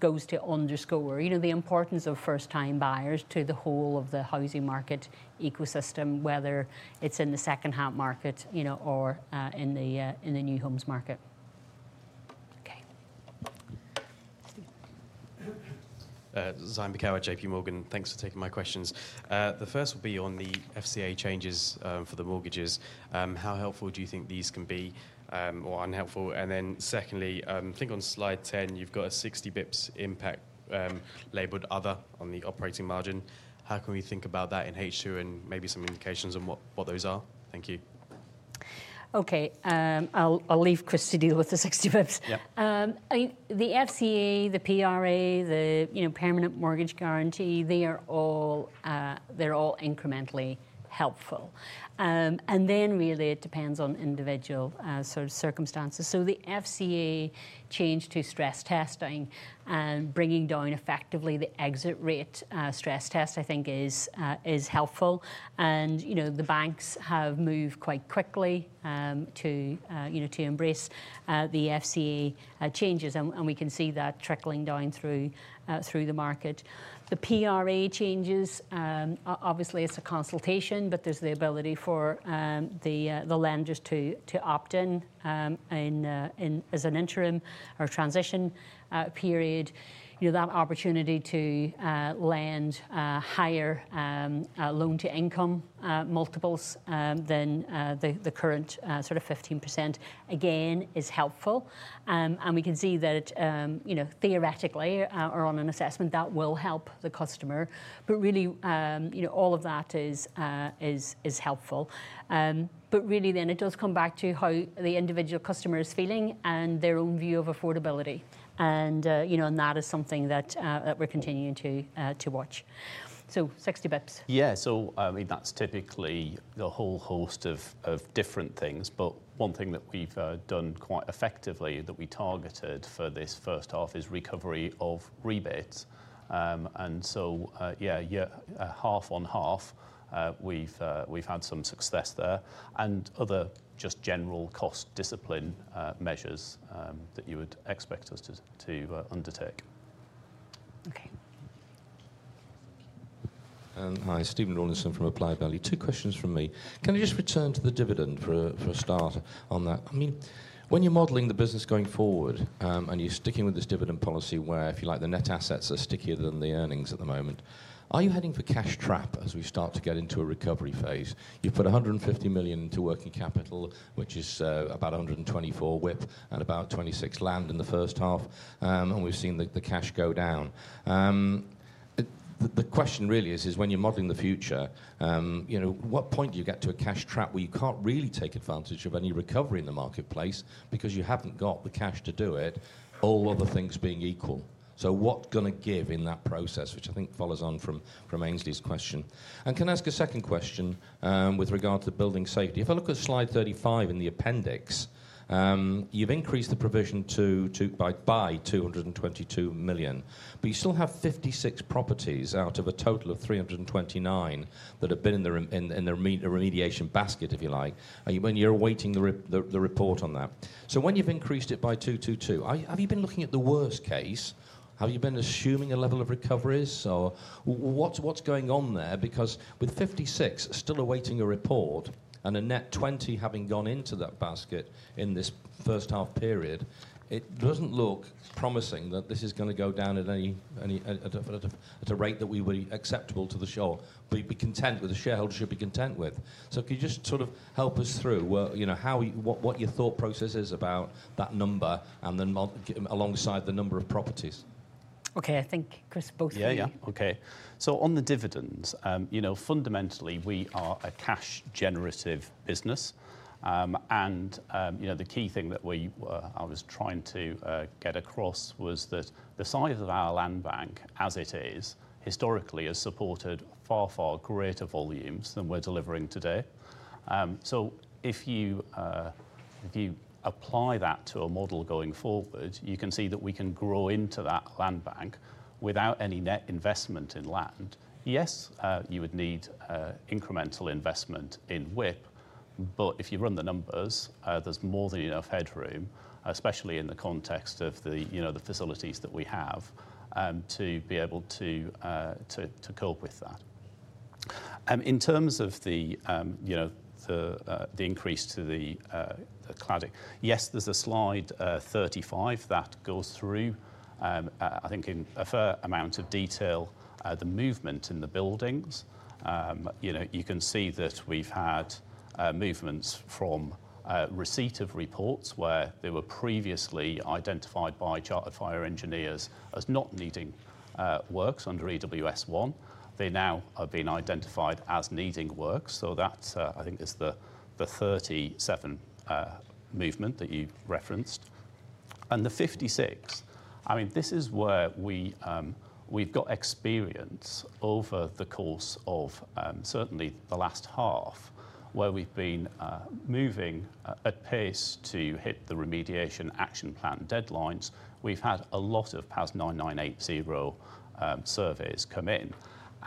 goes to underscore the importance of first time buyers to the whole of the housing market ecosystem, whether it's in the second half market or in the new homes market. Zaim Beekawa, JPMorgan, thanks for taking my questions. The first will be on the FCA changes for the mortgages. How helpful do you think these can be? Or unhelpful? Secondly, I think on slide 10, you've got a 60 bps impact labeled other on the operating margin. How can we think about that in H2 and maybe some indications on what those are? Thank you. Okay, I'll leave Chris to deal with the 60 bps. The FCA, the PRA, the permanent mortgage guarantee, they are all incrementally helpful. It depends on individual sort of circumstances. The FCA change to stress testing and bringing down effectively the exit rate stress test, I think, is helpful. The banks have moved quite quickly to embrace the FCA changes and we can see that trickling down through the market. The PRA changes, obviously it's a consultation, but there's the ability for the lenders to opt in as an interim or transition period. You have an opportunity to lend higher loan to income multiples than the current sort of 15%, again, is helpful and we can see that theoretically, or on an assessment that will help the customer, but really all of that is helpful, but really then it does come back to how the individual customer is feeling and their own view of affordability. That is something that we're continuing to watch. So, 60 bps. That's typically the whole host of different things, but one thing that we've done quite effectively that we targeted for this first half is recovery of rebates. Half on half, we've had some success there and other just general cost discipline measures that you would expect us to undertake. Okay. Hi, Stephen Rawlinson from Applied Value. Two questions from me. Can I just return to the dividend for a start on that? I mean, when you're modeling the business going forward and you're sticking with this dividend policy where, if you like, the net assets are stickier than the earnings at the moment. Are you heading for a cash trap? As we start to get into a recovery phase, you put 150 million into working capital, which is about 124 million WIP and about 26 million land in the first half. We've seen the cash go down. The question really is, when you're modeling the future, at what point do you get to a cash trap where you can't really take advantage of any recovery in the marketplace because you haven't got the cash to do it, all other things being equal. What is going to give in that process, which I think follows on from Aynsley's question. Can I ask a second question with regard to building safety? If I look at slide 35 in the appendix, you've increased the provision by 222 million, but you still have 56 properties out of a total of 329 that have been in the remediation basket, if you like, when you're awaiting the report on that. When you've increased it by 222 million, have you been looking at the worst case? Have you been assuming a level of recoveries, what's going on there? With 56 still awaiting a report and a net 20 having gone into that basket in this first half period, it doesn't look promising that this is going to go down at a rate that we would be acceptable to the shareholders. We'd be content with, the shareholders should be content with. Can you just sort of help us through what your thought process is about that number and then alongside the number of properties? Okay, I think, Chris? Both. Yeah, yeah. Okay. On the dividends, you know, fundamentally we are a cash generative business and the key thing that I was trying to get across was that the size of our land bank as it is historically has supported far, far greater volumes than we're delivering today. If you apply that to a model going forward, you can see that we can grow into that land bank without any net investment in land. Yes, you would need incremental investment in WIP. If you run the numbers, there's more than enough headroom, especially in the context of the facilities that we have to be able to cope with that. In terms of the increase to the cladding, yes, there's a slide 35 that goes through, I think, in a fair amount of detail, the movement in the buildings. You can see that we've had movements from receipt of reports where they were previously identified by chartered fire engineers as not needing works. Under EWS1, they now have been identified as needing work. That, I think, is the 37 movement that you referenced and the 56. This is where we've got experience over the course of certainly the last half, where we've been moving at pace to hit the remediation action plan deadlines. We've had a lot of PAS 9980 surveys come in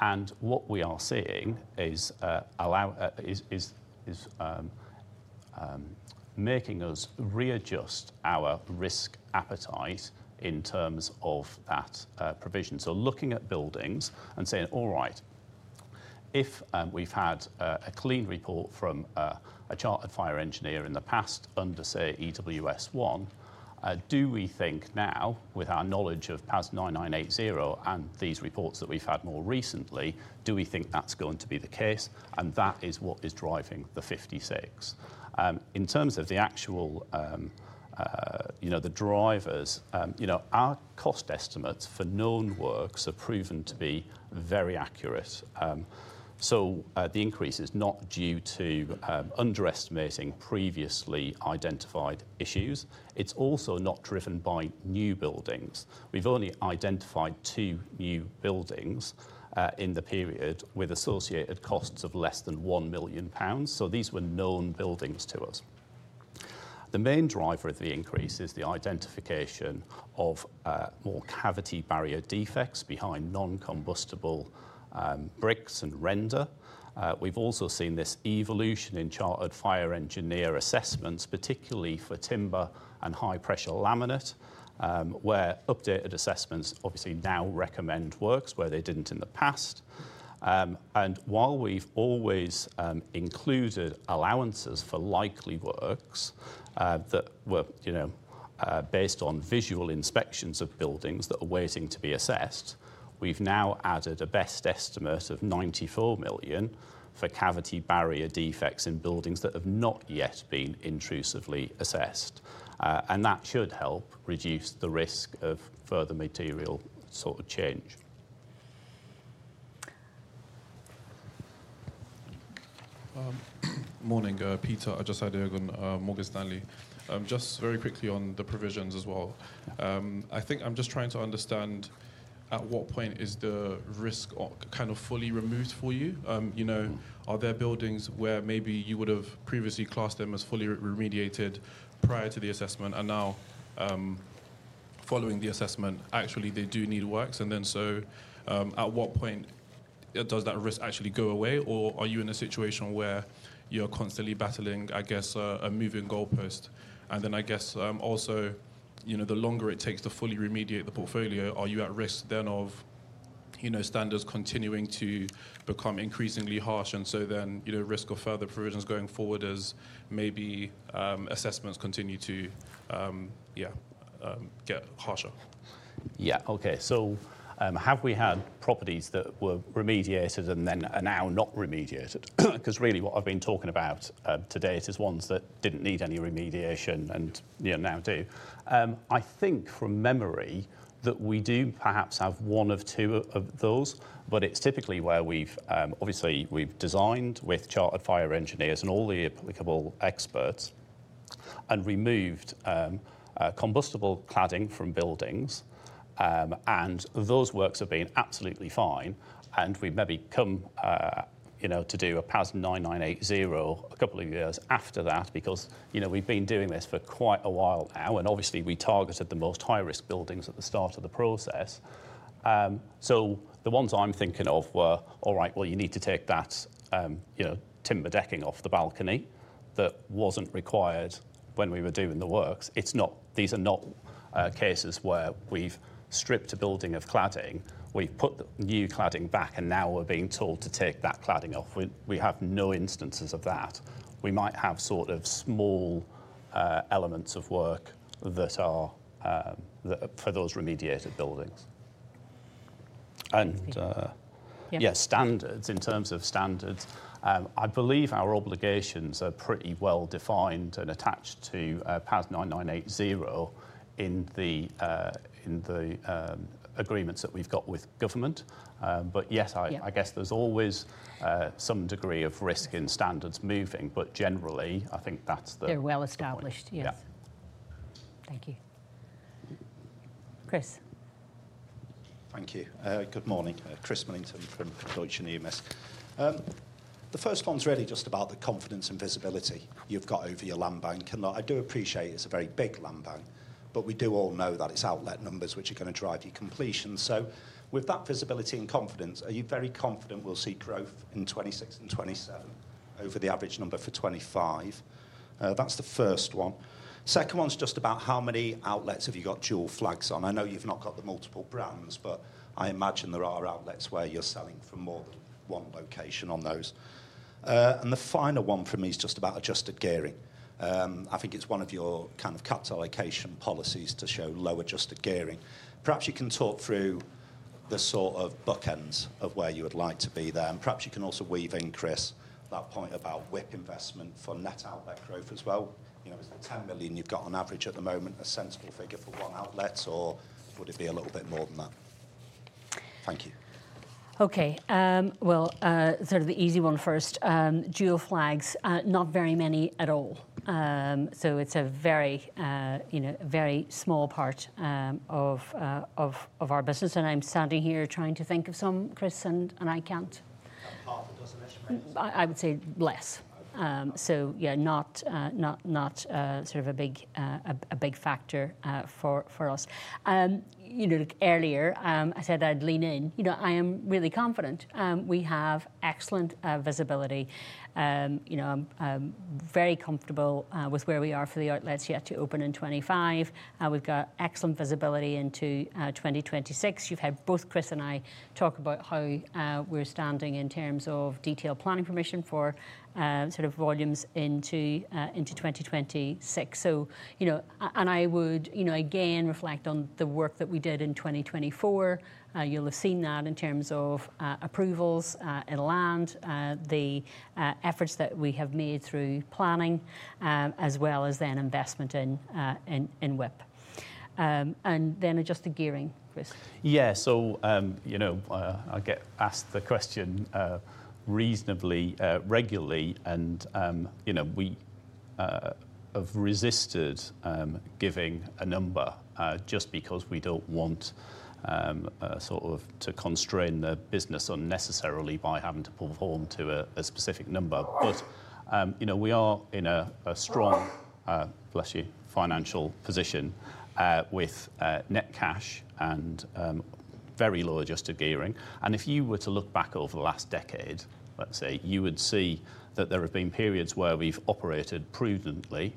and what we are seeing is making us readjust our risk appetite in terms of that provision. Looking at buildings and saying, all right, if we've had a clean report from a chartered fire engineer in the past under, say, EWS1, do we think now with our knowledge of PAS 9980 and these reports that we've had more recently, do we think that's going to be the case? That is what is driving the 56. In terms of the actual drivers, our cost estimates for known works have proven to be very accurate. The increase is not due to underestimating previously identified issues. It's also not driven by new buildings. We've only identified two new buildings in the period with associated costs of less than 1 million pounds. These were known buildings to us. The main driver of the increase is the identification of more cavity barrier defects behind non-combustible bricks and render. We've also seen this evolution in chartered fire engineer assessments, particularly for timber and high pressure laminate, where updated assessments obviously now recommend works where they didn't in the past. While we've always included allowances for likely works that were, you know, based on visual inspections of buildings that are waiting to be assessed, we've now added a best estimate of 94 million for cavity barrier defects in buildings that have not yet been intrusively assessed. That should help reduce the risk of further material sort of change. Morning, Peter Ajose-Adeogun, Morgan Stanley. Just very quickly on the provisions as well. I think I'm just trying to understand at what point is the risk kind of fully removed for you? Are there buildings where maybe you would have previously classed them as fully remediated prior to the assessment and now following the assessment actually they do need works and then at what point does that risk actually go away? Are you in a situation where you're constantly battling, I guess, a moving goalpost and I guess also the longer it takes to fully remediate the portfolio, are you at risk then of standards continuing to become increasingly harsh and so then risk of further provisions going forward as maybe assessments continue to get harsher? Yeah. Okay, so have we had properties that were remediated and then are now not remediated? Because really what I've been talking about to date is ones that didn't need any remediation. Now do I think from memory that we do perhaps have one or two of those, but it's typically where we've obviously designed with chartered fire engineers and all the applicable experts and removed combustible cladding from buildings and those works have been absolutely fine. We maybe come, you know, to do a PAS 9980 a couple of years after that because, you know, we've been doing this for quite a while now and obviously we targeted the most high risk buildings at the start of the process. The ones I'm thinking of were, all right, you need to take that, you know, timber decking off the balcony. That wasn't required when we were doing the works. These are not cases where we've stripped a building of cladding, put the new cladding back and now we're being told to take that cladding off. We have no instances of that. We might have sort of small elements of work that are for those remediated buildings. Yes, standards. In terms of standards, I believe our obligations are pretty well defined and attached to PAS 9980 in the agreements that we've got with government. Yes, I guess there's always some degree of risk in standards moving, but generally I think that's the. They're well established. Yes, thank you, Chris. Thank you. Good morning. Chris Millington from Deutsche Numis. The first one's really just about the confidence and visibility you've got over your land bank. I do appreciate it's a very big land bank, but we do all know that it's outlet numbers which are going to drive your completion. With that visibility and confidence, are you very confident we'll see growth in 2026 and 2027 over the average number for 2025? That's the first one. The second one's just about how many outlets have you got dual flags on. I know you've not got the multiple brands, but I imagine there are outlets where you're selling from more than one location on those. The final one for me is just about adjusted gearing. I think it's one of your kind of capital allocation policies to show low adjusted gearing. Perhaps you can talk through the sort of bookends of where you would like to be there. Perhaps you can also weave in, Chris, that point about WIP investment for net outlet growth as well. Is the 10 million you've got on average at the moment a sensible figure for one outlet, or would it be a little bit more than that? Thank you. Okay, sort of the easy one first. Geo flags, not very many at all. It's a very, you know, very small part of our business. I'm standing here trying to think of some, Chris, and I can't. Half of those initiatives, I would say less so. Not, not, not sort of a big factor for us. Earlier I said I'd lean in. I am really confident we have excellent visibility. I'm very comfortable with where we are for the outlets yet to open in 2025. We've got excellent visibility into 2027. You've had both Chris and I talk about how we're standing in terms of detailed planning permission for sort of volumes into 2026. I would again reflect on the work that we did in 2024. You'll have seen that in terms of approvals in land, the efforts that we have made through planning as well as then investment in WIP and then adjust the gearing. Chris? Yeah. You know, I get asked the question reasonably regularly, and we have resisted giving a number just because we don't want to constrain the business unnecessarily by having to perform to a specific number. You know, we are in a strong, bless you, financial position with net cash and very low adjusted gearing. If you were to look back over the last decade, let's say, you would see that there have been periods where we've operated prudently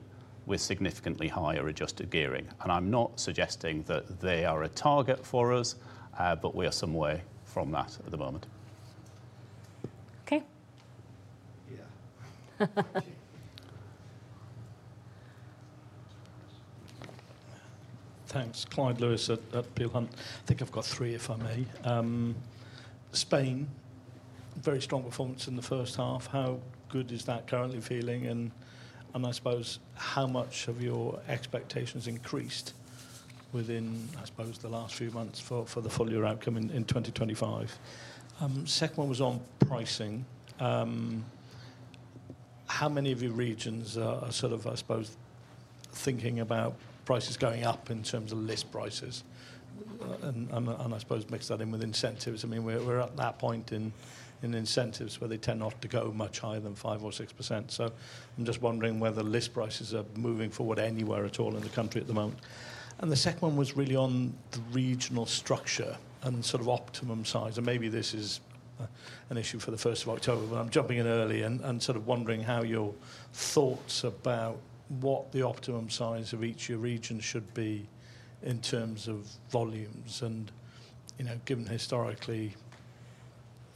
with significantly higher adjusted gearing. I'm not suggesting that they are a target for us, but we are some way from that at the moment. Okay. Yeah, thanks. Clyde Lewis at Peel Hunt. I think I've got three, if I may. Spain. Very strong performance in the first half. How good is that currently feeling and I suppose how much of your expectations increased within, I suppose, the last few months for the full year outcome in 2025? Second one was on pricing. How many of your regions are sort of, I suppose, thinking about prices going up in terms of list prices and I suppose mix that in with incentives. I mean we're at that point in incentives where they tend not to go much higher than 5% or 6%. I'm just wondering whether list prices are moving forward anywhere at all in the country at the moment. The second one was really on the regional structure and sort of optimum size. Maybe this is an issue for the 1st of October, but I'm jumping in early and sort of wondering how your thoughts about what the optimum size of each region should be in terms of volumes. You know, given historically,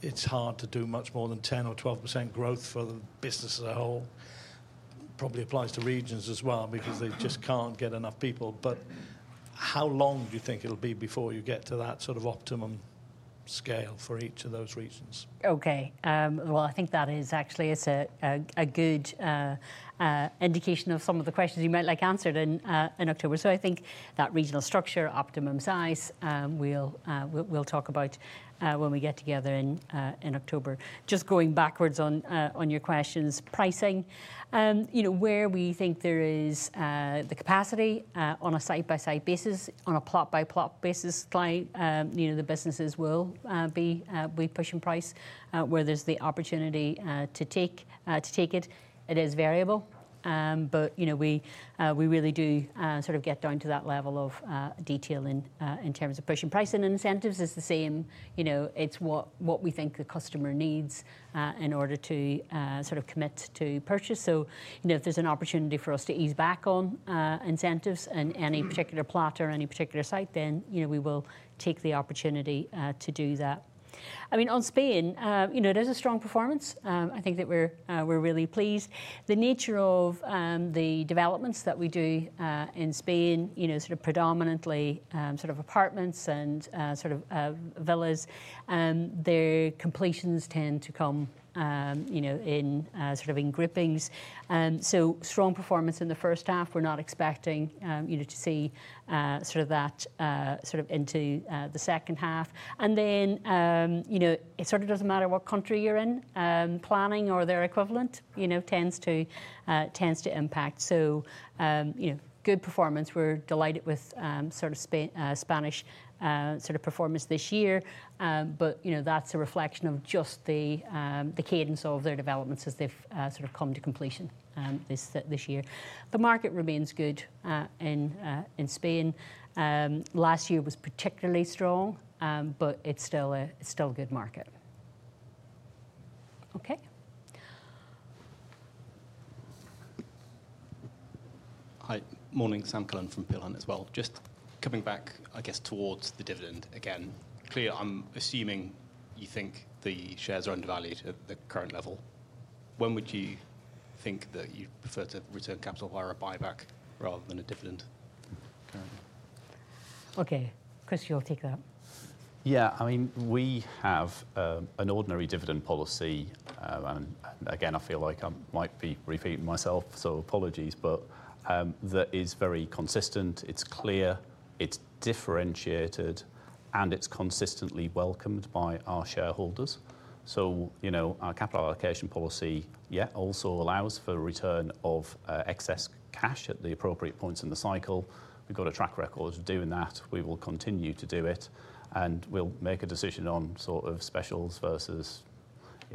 it's hard to do much more than 10% or 12% growth for the business as a whole. Probably applies to regions as well because they just can't get enough people. How long do you think it'll be before you get to that sort of optimum scale for each of those regions? Okay, I think that is actually a good indication of some of the questions you might like answered in October. I think that regional structure, optimum size, we'll talk about when we get together in October. Just going backwards on your questions, pricing, you know, where we think there is the capacity on a side by side basis, on a plot by plot basis, client, you know, the businesses will be pushing price where there's the opportunity to take it. It is variable, but we really do sort of get down to that level of detail in terms of pushing price, and incentives is the same. It's what we think the customer needs in order to sort of commit to purchase. If there's an opportunity for us to ease back on incentives in any particular plot or any particular site, then we will take the opportunity to do that. I mean, on Spain, it is a strong performance. I think that we're really pleased. The nature of the developments that we do in Spain, predominantly apartments and villas, their completions tend to come in groupings. Strong performance in the first half, we're not expecting you to see that sort of into the second half, and it doesn't matter what country you're in, planning or their equivalent tends to impact. Good performance. We're delighted with Spanish performance this year, but that's a reflection of just the cadence of their developments as they've come to completion this year. The market remains good in Spain. Last year was particularly strong, but it's still a good market. Okay. Hi. Morning. Sam Cullen from Peel Hunt as well. Just coming back, I guess, towards the dividend again. Clear. I'm assuming you think the shares are undervalued at the current level. When would you think that you prefer to return capital via a buyback rather than a dividend currently. Ok, Chris, you'll take that? Yeah, I mean, we have an ordinary dividend policy, and again, I feel like I might be repeating myself, so apologies, but that is very consistent. It's clear, it's differentiated, and it's consistently welcomed by our shareholders. Our capital allocation policy yet also allows for return of excess cash at the appropriate points of the cycle. We've got a track record of doing that. We will continue to do it, and we'll make a decision on sort of specials versus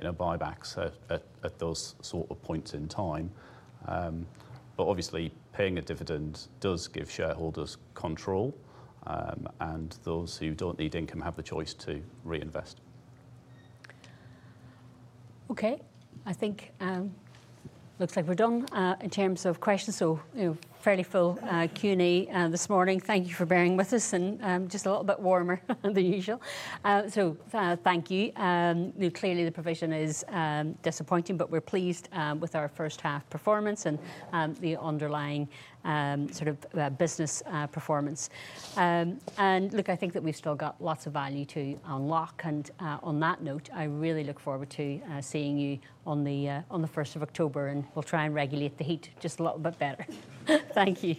buybacks at those sort of points in time. Obviously, paying a dividend does give shareholders control, and those who don't need income have the choice to reinvest. Okay. I think it looks like we're done in terms of questions, so fairly full Q&A this morning. Thank you for bearing with us, and just a little bit warmer than usual, so thank you. Clearly the provision is disappointing, but we're pleased with our first half performance and the underlying sort of business performance. I think that we've still got lots of value to unlock. On that note, I really look forward to seeing you on the 1st of October, and we'll try and regulate the heat just a little bit better. Thank you.